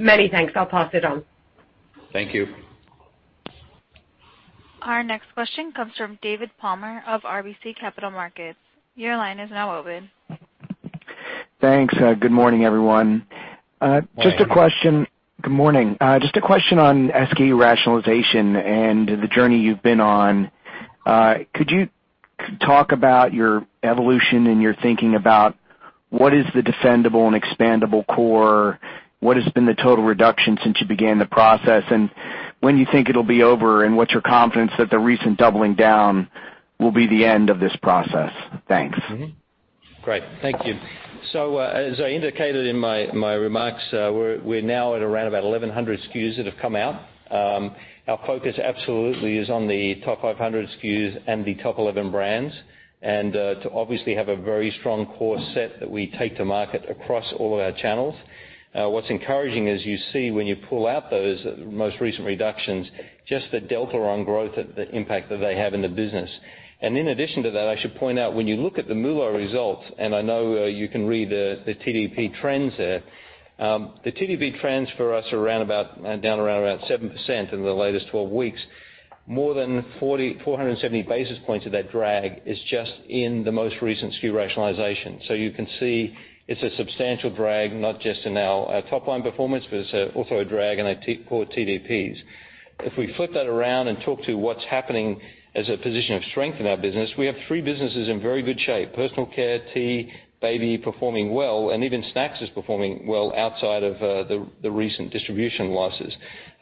Many thanks. I'll pass it on. Thank you. Our next question comes from David Palmer of RBC Capital Markets. Your line is now open. Thanks. Good morning, everyone. Morning. Good morning. Just a question on SKU rationalization and the journey you've been on. Could you talk about your evolution and your thinking about what is the defendable and expandable core? What has been the total reduction since you began the process? When do you think it'll be over, and what's your confidence that the recent doubling down will be the end of this process? Thanks. Great. Thank you. As I indicated in my remarks, we're now at around about 1,100 SKUs that have come out. Our focus absolutely is on the top 500 SKUs and the top 11 brands, to obviously have a very strong core set that we take to market across all of our channels. What's encouraging is you see when you pull out those most recent reductions, just the delta on growth, the impact that they have in the business. In addition to that, I should point out, when you look at the MULO results, and I know you can read the TDP trends there. The TDP trends for us are down around about 7% in the latest 12 weeks. More than 470 basis points of that drag is just in the most recent SKU rationalization. You can see it's a substantial drag, not just in our top-line performance, but it's also a drag in our core TDPs. If we flip that around and talk to what's happening as a position of strength in our business, we have three businesses in very good shape. Personal care, tea, baby performing well, and even snacks is performing well outside of the recent distribution losses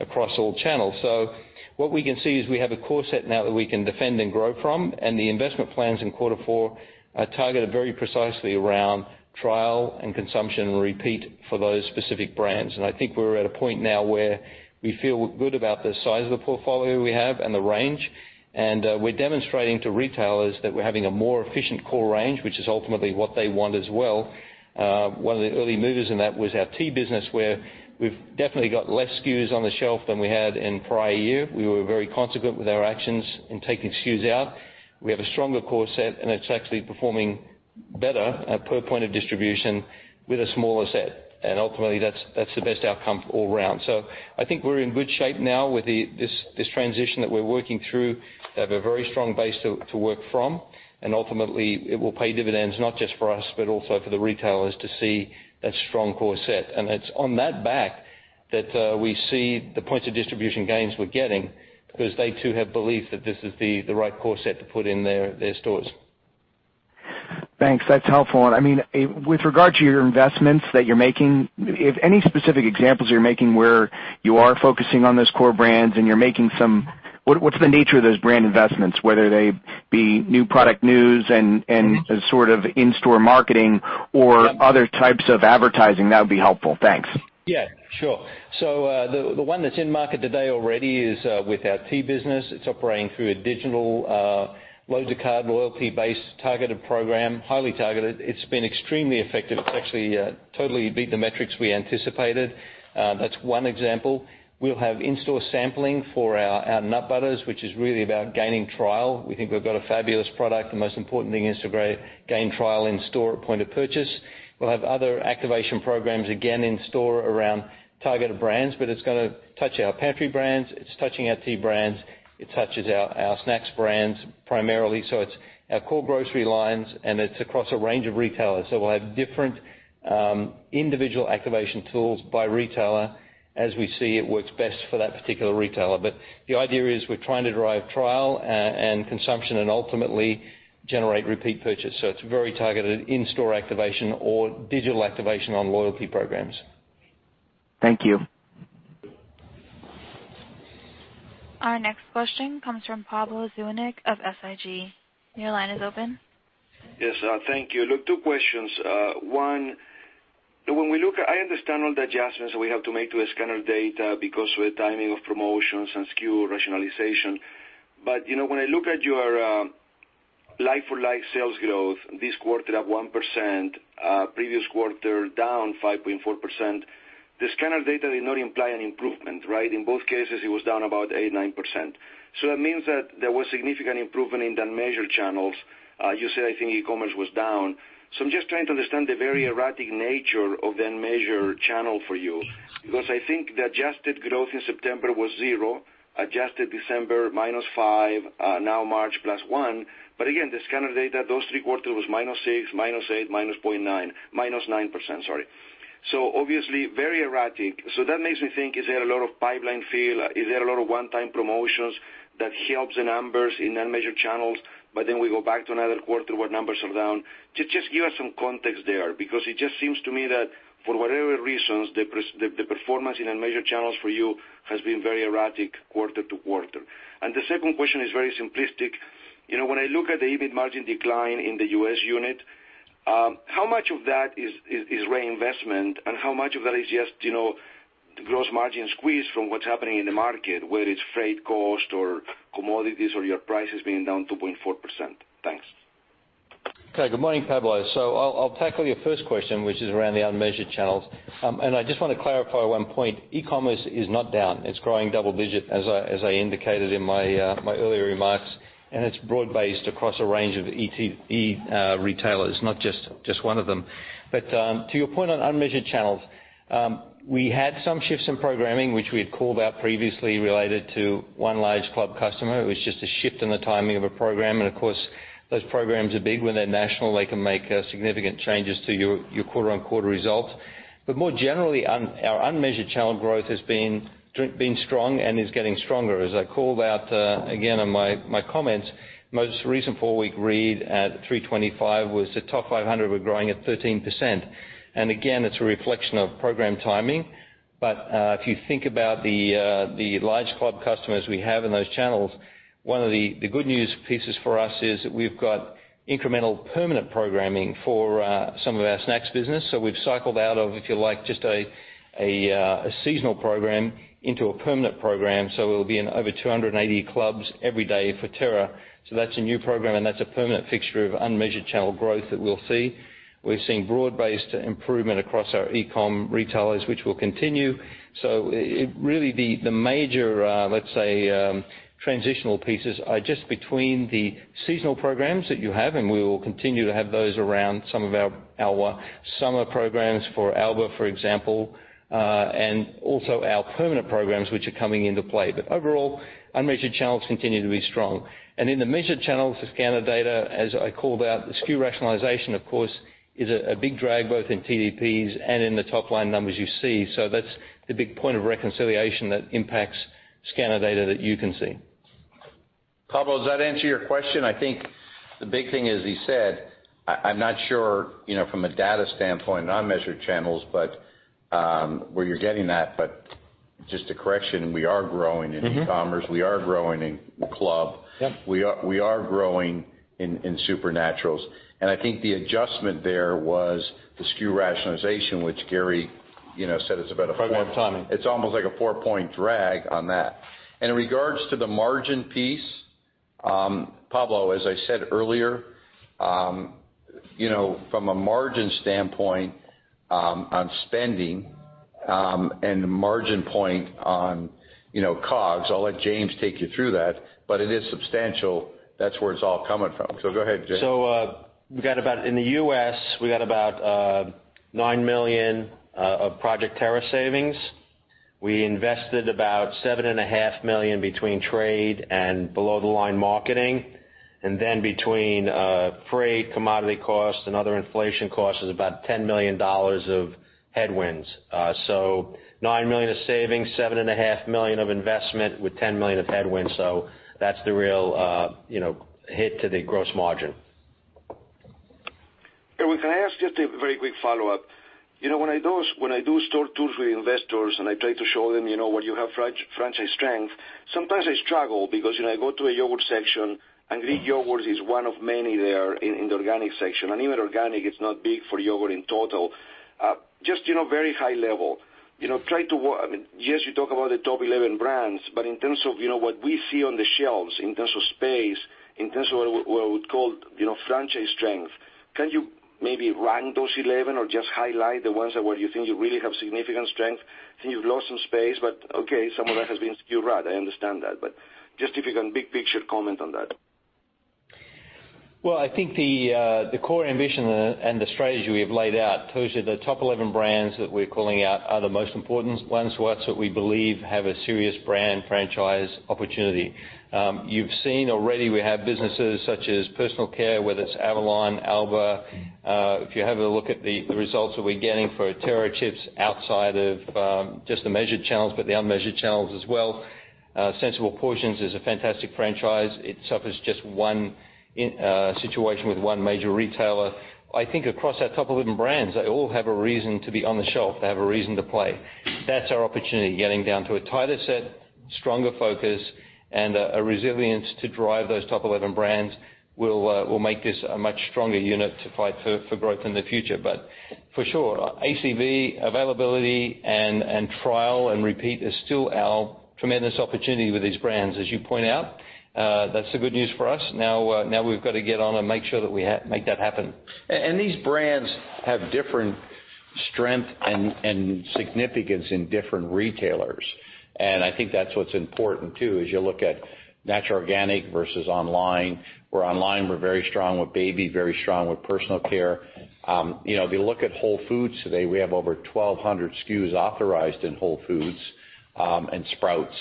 across all channels. What we can see is we have a core set now that we can defend and grow from, and the investment plans in quarter four are targeted very precisely around trial and consumption and repeat for those specific brands. I think we're at a point now where we feel good about the size of the portfolio we have and the range. We're demonstrating to retailers that we're having a more efficient core range, which is ultimately what they want as well. One of the early movers in that was our tea business, where we've definitely got less SKUs on the shelf than we had in prior year. We were very consequent with our actions in taking SKUs out. We have a stronger core set, and it's actually performing better per point of distribution with a smaller set. Ultimately, that's the best outcome all around. I think we're in good shape now with this transition that we're working through. We have a very strong base to work from, and ultimately, it will pay dividends, not just for us, but also for the retailers to see that strong core set. It's on that back that we see the points of distribution gains we're getting because they too have belief that this is the right core set to put in their stores. Thanks. That's helpful. With regard to your investments that you're making, any specific examples you're making where you are focusing on those core brands? What's the nature of those brand investments, whether they be new product news and sort of in-store marketing or other types of advertising? That would be helpful. Thanks. Yeah. Sure. The one that's in market today already is with our tea business. It's operating through a digital, load-to-card loyalty-based, targeted program, highly targeted. It's been extremely effective. It's actually totally beat the metrics we anticipated. That's one example. We'll have in-store sampling for our nut butters, which is really about gaining trial. We think we've got a fabulous product. The most important thing is to gain trial in store at point of purchase. We'll have other activation programs, again, in store around targeted brands. It's going to touch our pantry brands, it's touching our tea brands, it touches our snacks brands primarily. It's our core grocery lines, and it's across a range of retailers. We'll have different individual activation tools by retailer as we see it works best for that particular retailer. The idea is we're trying to drive trial and consumption and ultimately generate repeat purchase. It's very targeted in-store activation or digital activation on loyalty programs. Thank you. Our next question comes from Pablo Zuanic of SIG. Your line is open. Yes, thank you. 2 questions. I understand all the adjustments we have to make to the scanner data because of the timing of promotions and SKU rationalization. When I look at your like-for-like sales growth this quarter up 1%, previous quarter down 5.4%, the scanner data did not imply an improvement, right? In both cases, it was down about 8%-9%. That means that there was significant improvement in the unmeasured channels. You said, I think, e-commerce was down. I'm just trying to understand the very erratic nature of the unmeasured channel for you, because I think the adjusted growth in September was 0, adjusted December, -5, now March +1. Again, the scanner data, those three quarters was -6, -8, -0.9. -9%, sorry. Obviously very erratic. That makes me think, is there a lot of pipeline fill? Is there a lot of one-time promotions that helps the numbers in unmeasured channels, we go back to another quarter where numbers are down? Just give us some context there, because it just seems to me that for whatever reasons, the performance in unmeasured channels for you has been very erratic quarter to quarter. The second question is very simplistic. When I look at the EBIT margin decline in the U.S. unit, how much of that is reinvestment and how much of that is just gross margin squeeze from what's happening in the market, whether it's freight cost or commodities or your prices being down 2.4%? Thanks. Okay. Good morning, Pablo. I'll tackle your first question, which is around the unmeasured channels. I just want to clarify 1 point. E-commerce is not down. It's growing double digit, as I indicated in my earlier remarks, and it's broad-based across a range of E retailers, not just 1 of them. To your point on unmeasured channels, we had some shifts in programming, which we had called out previously related to 1 large club customer. It was just a shift in the timing of a program. Of course, those programs are big. When they're national, they can make significant changes to your quarter-on-quarter results. More generally, our unmeasured channel growth has been strong and is getting stronger. As I called out, again, in my comments, most recent four-week read at 325 was the top 500 were growing at 13%. Again, it's a reflection of program timing. If you think about the large club customers we have in those channels, 1 of the good news pieces for us is that we've got incremental permanent programming for some of our snacks business. We've cycled out of, if you like, just a seasonal program into a permanent program. We'll be in over 280 clubs every day for Terra. That's a new program, and that's a permanent fixture of unmeasured channel growth that we'll see. We're seeing broad-based improvement across our e-com retailers, which will continue. Really the major, let's say, transitional pieces are just between the seasonal programs that you have, and we will continue to have those around some of our summer programs for Alba, for example, and also our permanent programs, which are coming into play. Overall, unmeasured channels continue to be strong. In the measured channels, the scanner data, as I called out, the SKU rationalization, of course, is a big drag both in TDPs and in the top-line numbers you see. That's the big point of reconciliation that impacts scanner data that you can see. Pablo, does that answer your question? The big thing, as he said, I'm not sure from a data standpoint in unmeasured channels where you're getting that, but just a correction, we are growing in e-commerce, we are growing in club. Yep. We are growing in supernaturals. The adjustment there was the SKU rationalization, which Gary said it's about. Right, more timing. It's almost like a four-point drag on that. In regards to the margin piece, Pablo, as I said earlier, from a margin standpoint on spending and margin point on COGS, I'll let James take you through that, but it is substantial. That's where it's all coming from. Go ahead, James. In the U.S., we got about $9 million of Project Terra savings. We invested about seven and a half million between trade and below the line marketing. Then between freight, commodity costs, and other inflation costs is about $10 million of headwinds. $9 million of savings, seven and a half million of investment with $10 million of headwinds. That's the real hit to the gross margin. Gary, can I ask you a very quick follow-up? When I do store tours with investors and I try to show them where you have franchise strength, sometimes I struggle because when I go to a yogurt section and Greek yogurt is one of many there in the organic section, and even organic it's not big for yogurt in total. Just very high level. Yes, you talk about the top 11 brands, but in terms of what we see on the shelves, in terms of space, in terms of what we would call franchise strength, can you maybe rank those 11 or just highlight the ones that you think you really have significant strength? I think you've lost some space, but okay, some of that has been SKU rat, I understand that, but just if you can big picture comment on that. Well, I think the core ambition and the strategy we have laid out tells you the top 11 brands that we're calling out are the most important ones, what we believe have a serious brand franchise opportunity. You've seen already we have businesses such as personal care, whether it's Avalon, Alba. If you have a look at the results that we're getting for Terra Chips outside of just the measured channels, but the unmeasured channels as well. Sensible Portions is a fantastic franchise. It suffers just one situation with one major retailer. I think across our top 11 brands, they all have a reason to be on the shelf. They have a reason to play. That's our opportunity, getting down to a tighter set, stronger focus, and a resilience to drive those top 11 brands will make this a much stronger unit to fight for growth in the future. For sure, ACV, availability, and trial and repeat is still our tremendous opportunity with these brands, as you point out. That's the good news for us. We've got to get on and make sure that we make that happen. These brands have different strength and significance in different retailers. I think that's what's important too, as you look at natural organic versus online, where online we're very strong with baby, very strong with personal care. If you look at Whole Foods today, we have over 1,200 SKUs authorized in Whole Foods and Sprouts.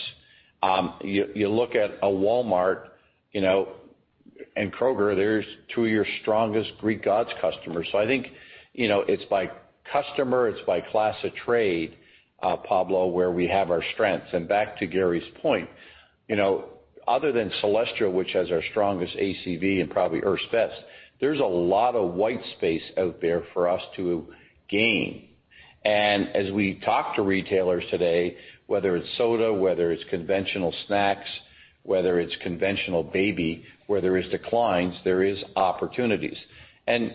You look at a Walmart and Kroger, there's two of your strongest Greek Gods customers. I think it's by customer, it's by class of trade, Pablo, where we have our strengths. Back to Gary's point, other than Celestial, which has our strongest ACV and probably Earth's Best, there's a lot of white space out there for us to gain. As we talk to retailers today, whether it's soda, whether it's conventional snacks, whether it's conventional baby, where there is declines, there is opportunities.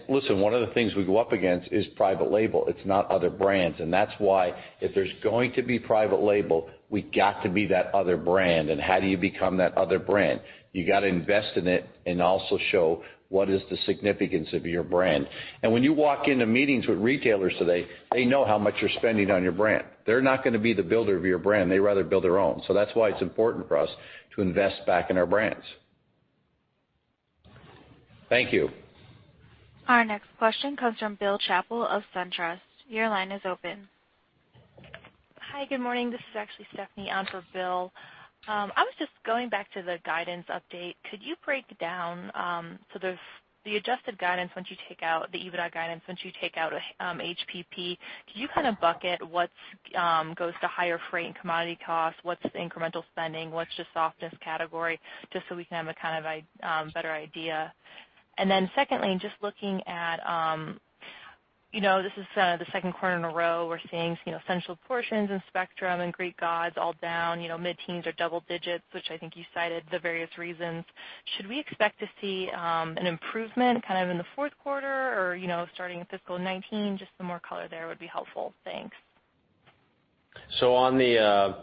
Listen, one of the things we go up against is private label. It's not other brands. That's why if there's going to be private label, we got to be that other brand. How do you become that other brand? You got to invest in it and also show what is the significance of your brand. When you walk into meetings with retailers today, they know how much you're spending on your brand. They're not going to be the builder of your brand. They'd rather build their own. That's why it's important for us to invest back in our brands. Thank you. Our next question comes from Bill Chappell of SunTrust. Your line is open. Hi. Good morning. This is actually Stephanie on for Bill. I was going back to the guidance update. Could you break down, so there's the adjusted guidance once you take out the EBITDA guidance, once you take out HPP, could you kind of bucket what goes to higher freight and commodity costs? What's the incremental spending? What's softness category, so we can have a kind of better idea. Secondly, looking at, this is the second quarter in a row we're seeing Sensible Portions and Spectrum and The Greek Gods all down mid-teens or double digits, which I think you cited the various reasons. Should we expect to see an improvement kind of in the fourth quarter or starting in FY 2019? Some more color there would be helpful. Thanks. On the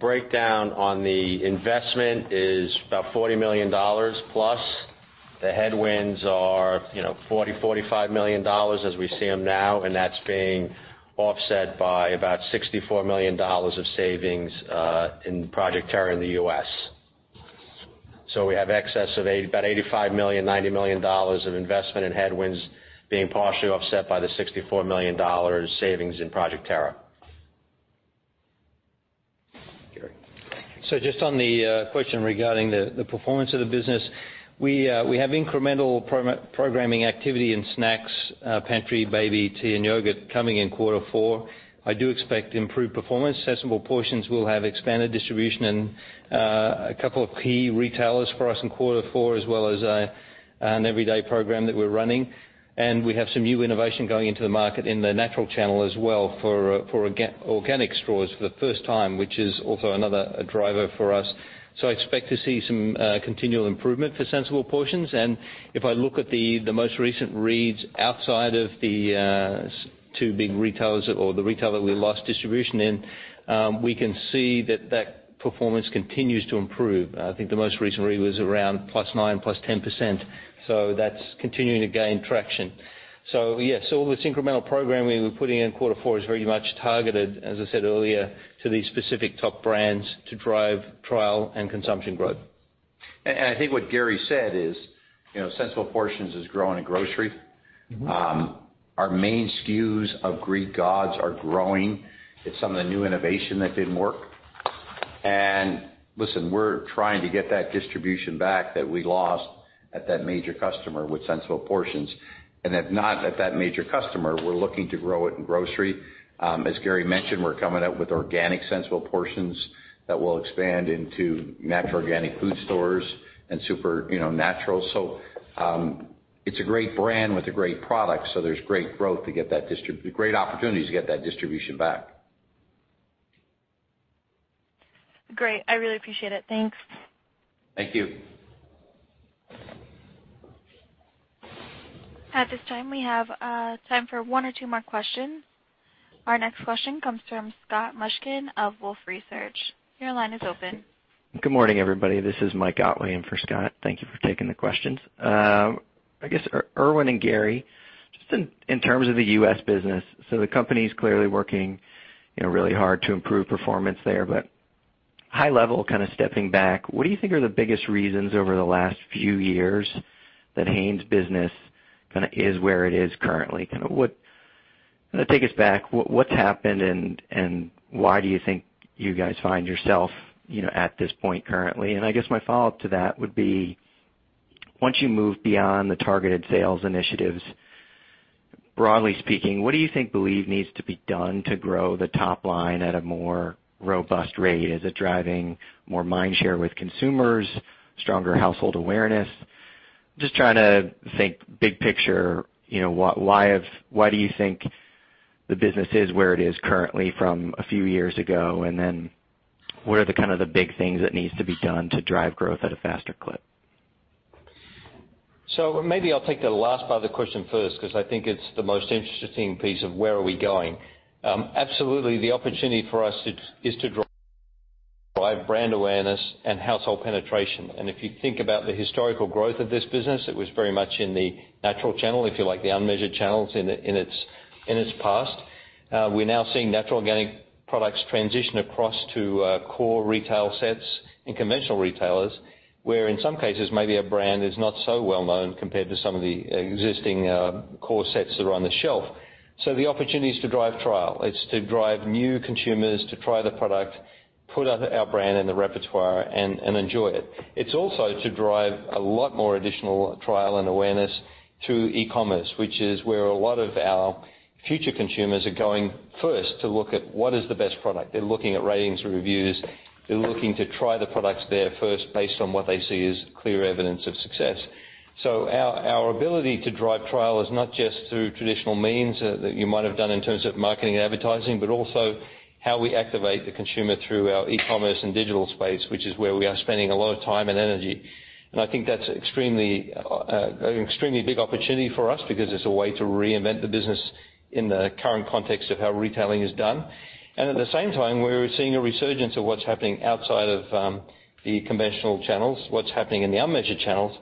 breakdown on the investment is about $40 million+. The headwinds are $40 million-$45 million as we see them now, and that's being offset by about $64 million of savings in Project Terra in the U.S. We have excess of about $85 million-$90 million of investment in headwinds being partially offset by the $64 million savings in Project Terra. Gary. On the question regarding the performance of the business, we have incremental programming activity in snacks, pantry, baby, tea, and yogurt coming in quarter four. I do expect improved performance. Sensible Portions will have expanded distribution in a couple of key retailers for us in quarter four, as well as an everyday program that we're running. We have some new innovation going into the market in the natural channel as well for organic straws for the first time, which is also another driver for us. I expect to see some continual improvement for Sensible Portions. If I look at the most recent reads outside of the two big retailers or the retailer we lost distribution in, we can see that that performance continues to improve. I think the most recent read was around +9%, +10%. That's continuing to gain traction. Yes, all this incremental programming we're putting in quarter four is very much targeted, as I said earlier, to these specific top brands to drive trial and consumption growth. I think what Gary said is Sensible Portions is growing in grocery. Our main SKUs of Greek Gods are growing. It's some of the new innovation that didn't work. Listen, we're trying to get that distribution back that we lost at that major customer with Sensible Portions. If not at that major customer, we're looking to grow it in grocery. As Gary mentioned, we're coming out with organic Sensible Portions that will expand into natural organic food stores and super naturals. It's a great brand with a great product. There's great opportunity to get that distribution back. Great. I really appreciate it. Thanks. Thank you. At this time, we have time for one or two more questions. Our next question comes from Scott Mushkin of Wolfe Research. Your line is open. Good morning, everybody. This is Mike Otway in for Scott. Thank you for taking the questions. I guess, Irwin and Gary, just in terms of the U.S. business, the company's clearly working really hard to improve performance there, high level, stepping back, what do you think are the biggest reasons over the last few years that Hain's business is where it is currently? Take us back. What's happened, why do you think you guys find yourself at this point currently? I guess my follow-up to that would be, once you move beyond the targeted sales initiatives, broadly speaking, what do you believe needs to be done to grow the top line at a more robust rate? Is it driving more mind share with consumers, stronger household awareness? Just trying to think big picture, why do you think the business is where it is currently from a few years ago? What are the big things that needs to be done to drive growth at a faster clip? Maybe I'll take the last part of the question first, because I think it's the most interesting piece of where are we going. Absolutely, the opportunity for us is to drive brand awareness and household penetration. If you think about the historical growth of this business, it was very much in the natural channel, if you like, the unmeasured channels in its past. We're now seeing natural organic products transition across to core retail sets and conventional retailers, where in some cases, maybe a brand is not so well-known compared to some of the existing core sets that are on the shelf. The opportunity is to drive trial. It's to drive new consumers to try the product, put our brand in the repertoire, and enjoy it. It's also to drive a lot more additional trial and awareness through e-commerce, which is where a lot of our future consumers are going first to look at what is the best product. They're looking at ratings and reviews. They're looking to try the products there first based on what they see as clear evidence of success. Our ability to drive trial is not just through traditional means that you might have done in terms of marketing and advertising, also how we activate the consumer through our e-commerce and digital space, which is where we are spending a lot of time and energy. I think that's an extremely big opportunity for us because it's a way to reinvent the business in the current context of how retailing is done. At the same time, we're seeing a resurgence of what's happening outside of the conventional channels, what's happening in the unmeasured channels,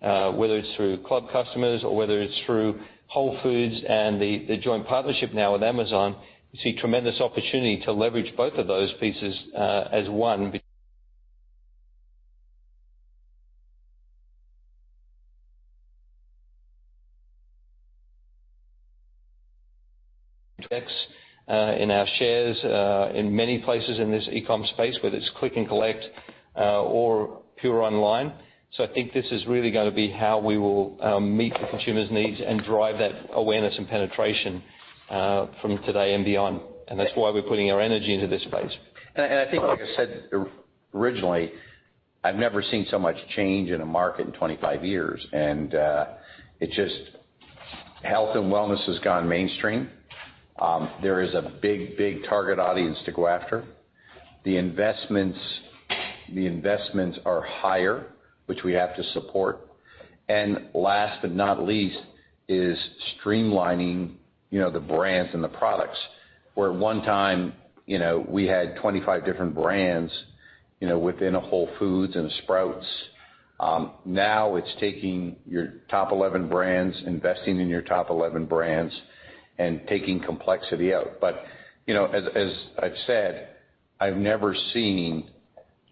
whether it's through club customers or whether it's through Whole Foods and the joint partnership now with Amazon. We see tremendous opportunity to leverage both of those pieces as one. In our shares, in many places in this e-com space, whether it's click and collect or pure online. I think this is really gonna be how we will meet the consumer's needs and drive that awareness and penetration from today and beyond. That's why we're putting our energy into this space. I think, like I said originally, I've never seen so much change in a market in 25 years. Health and wellness has gone mainstream. There is a big target audience to go after. The investments are higher, which we have to support. Last but not least, is streamlining the brands and the products. Where one time we had 25 different brands within a Whole Foods and a Sprouts, now it's taking your top 11 brands, investing in your top 11 brands, and taking complexity out. As I've said, I've never seen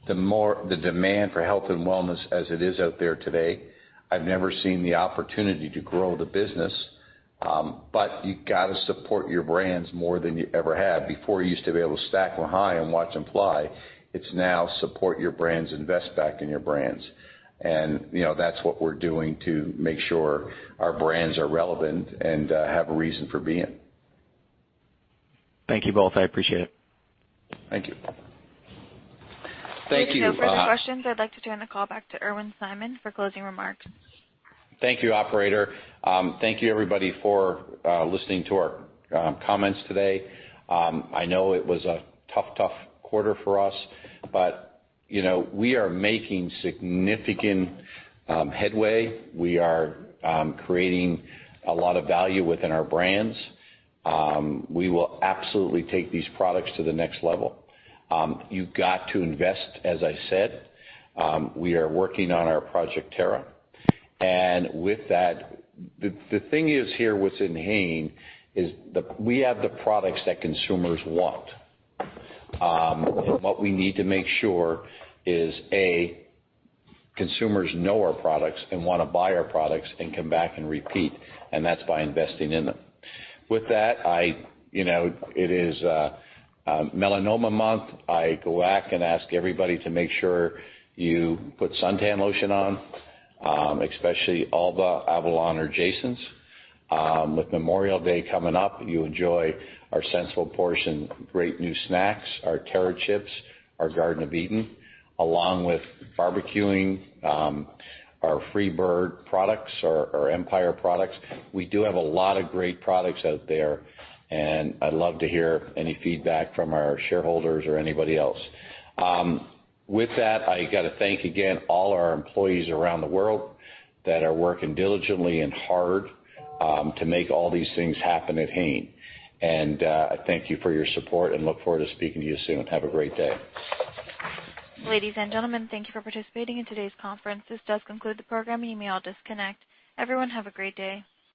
the demand for health and wellness as it is out there today. I've never seen the opportunity to grow the business. You got to support your brands more than you ever have. Before, you used to be able to stack them high and watch them fly. It's now support your brands, invest back in your brands. That's what we're doing to make sure our brands are relevant and have a reason for being. Thank you both. I appreciate it. Thank you. There are no further questions. I'd like to turn the call back to Irwin Simon for closing remarks. Thank you, operator. Thank you, everybody, for listening to our comments today. I know it was a tough quarter for us. We are making significant headway. We are creating a lot of value within our brands. We will absolutely take these products to the next level. You've got to invest, as I said. We are working on our Project Terra. With that, the thing is here, what's in Hain, is we have the products that consumers want. What we need to make sure is, A, consumers know our products and want to buy our products and come back and repeat, and that's by investing in them. With that, it is Melanoma Month. I go back and ask everybody to make sure you put suntan lotion on, especially Alba, Avalon, or JASON's. With Memorial Day coming up, you enjoy our Sensible Portions great new snacks, our Terra Chips, our Garden of Eatin', along with barbecuing our FreeBird products, our Empire products. We do have a lot of great products out there. I'd love to hear any feedback from our shareholders or anybody else. With that, I got to thank again all our employees around the world that are working diligently and hard to make all these things happen at Hain. I thank you for your support and look forward to speaking to you soon. Have a great day. Ladies and gentlemen, thank you for participating in today's conference. This does conclude the program. You may all disconnect. Everyone, have a great day.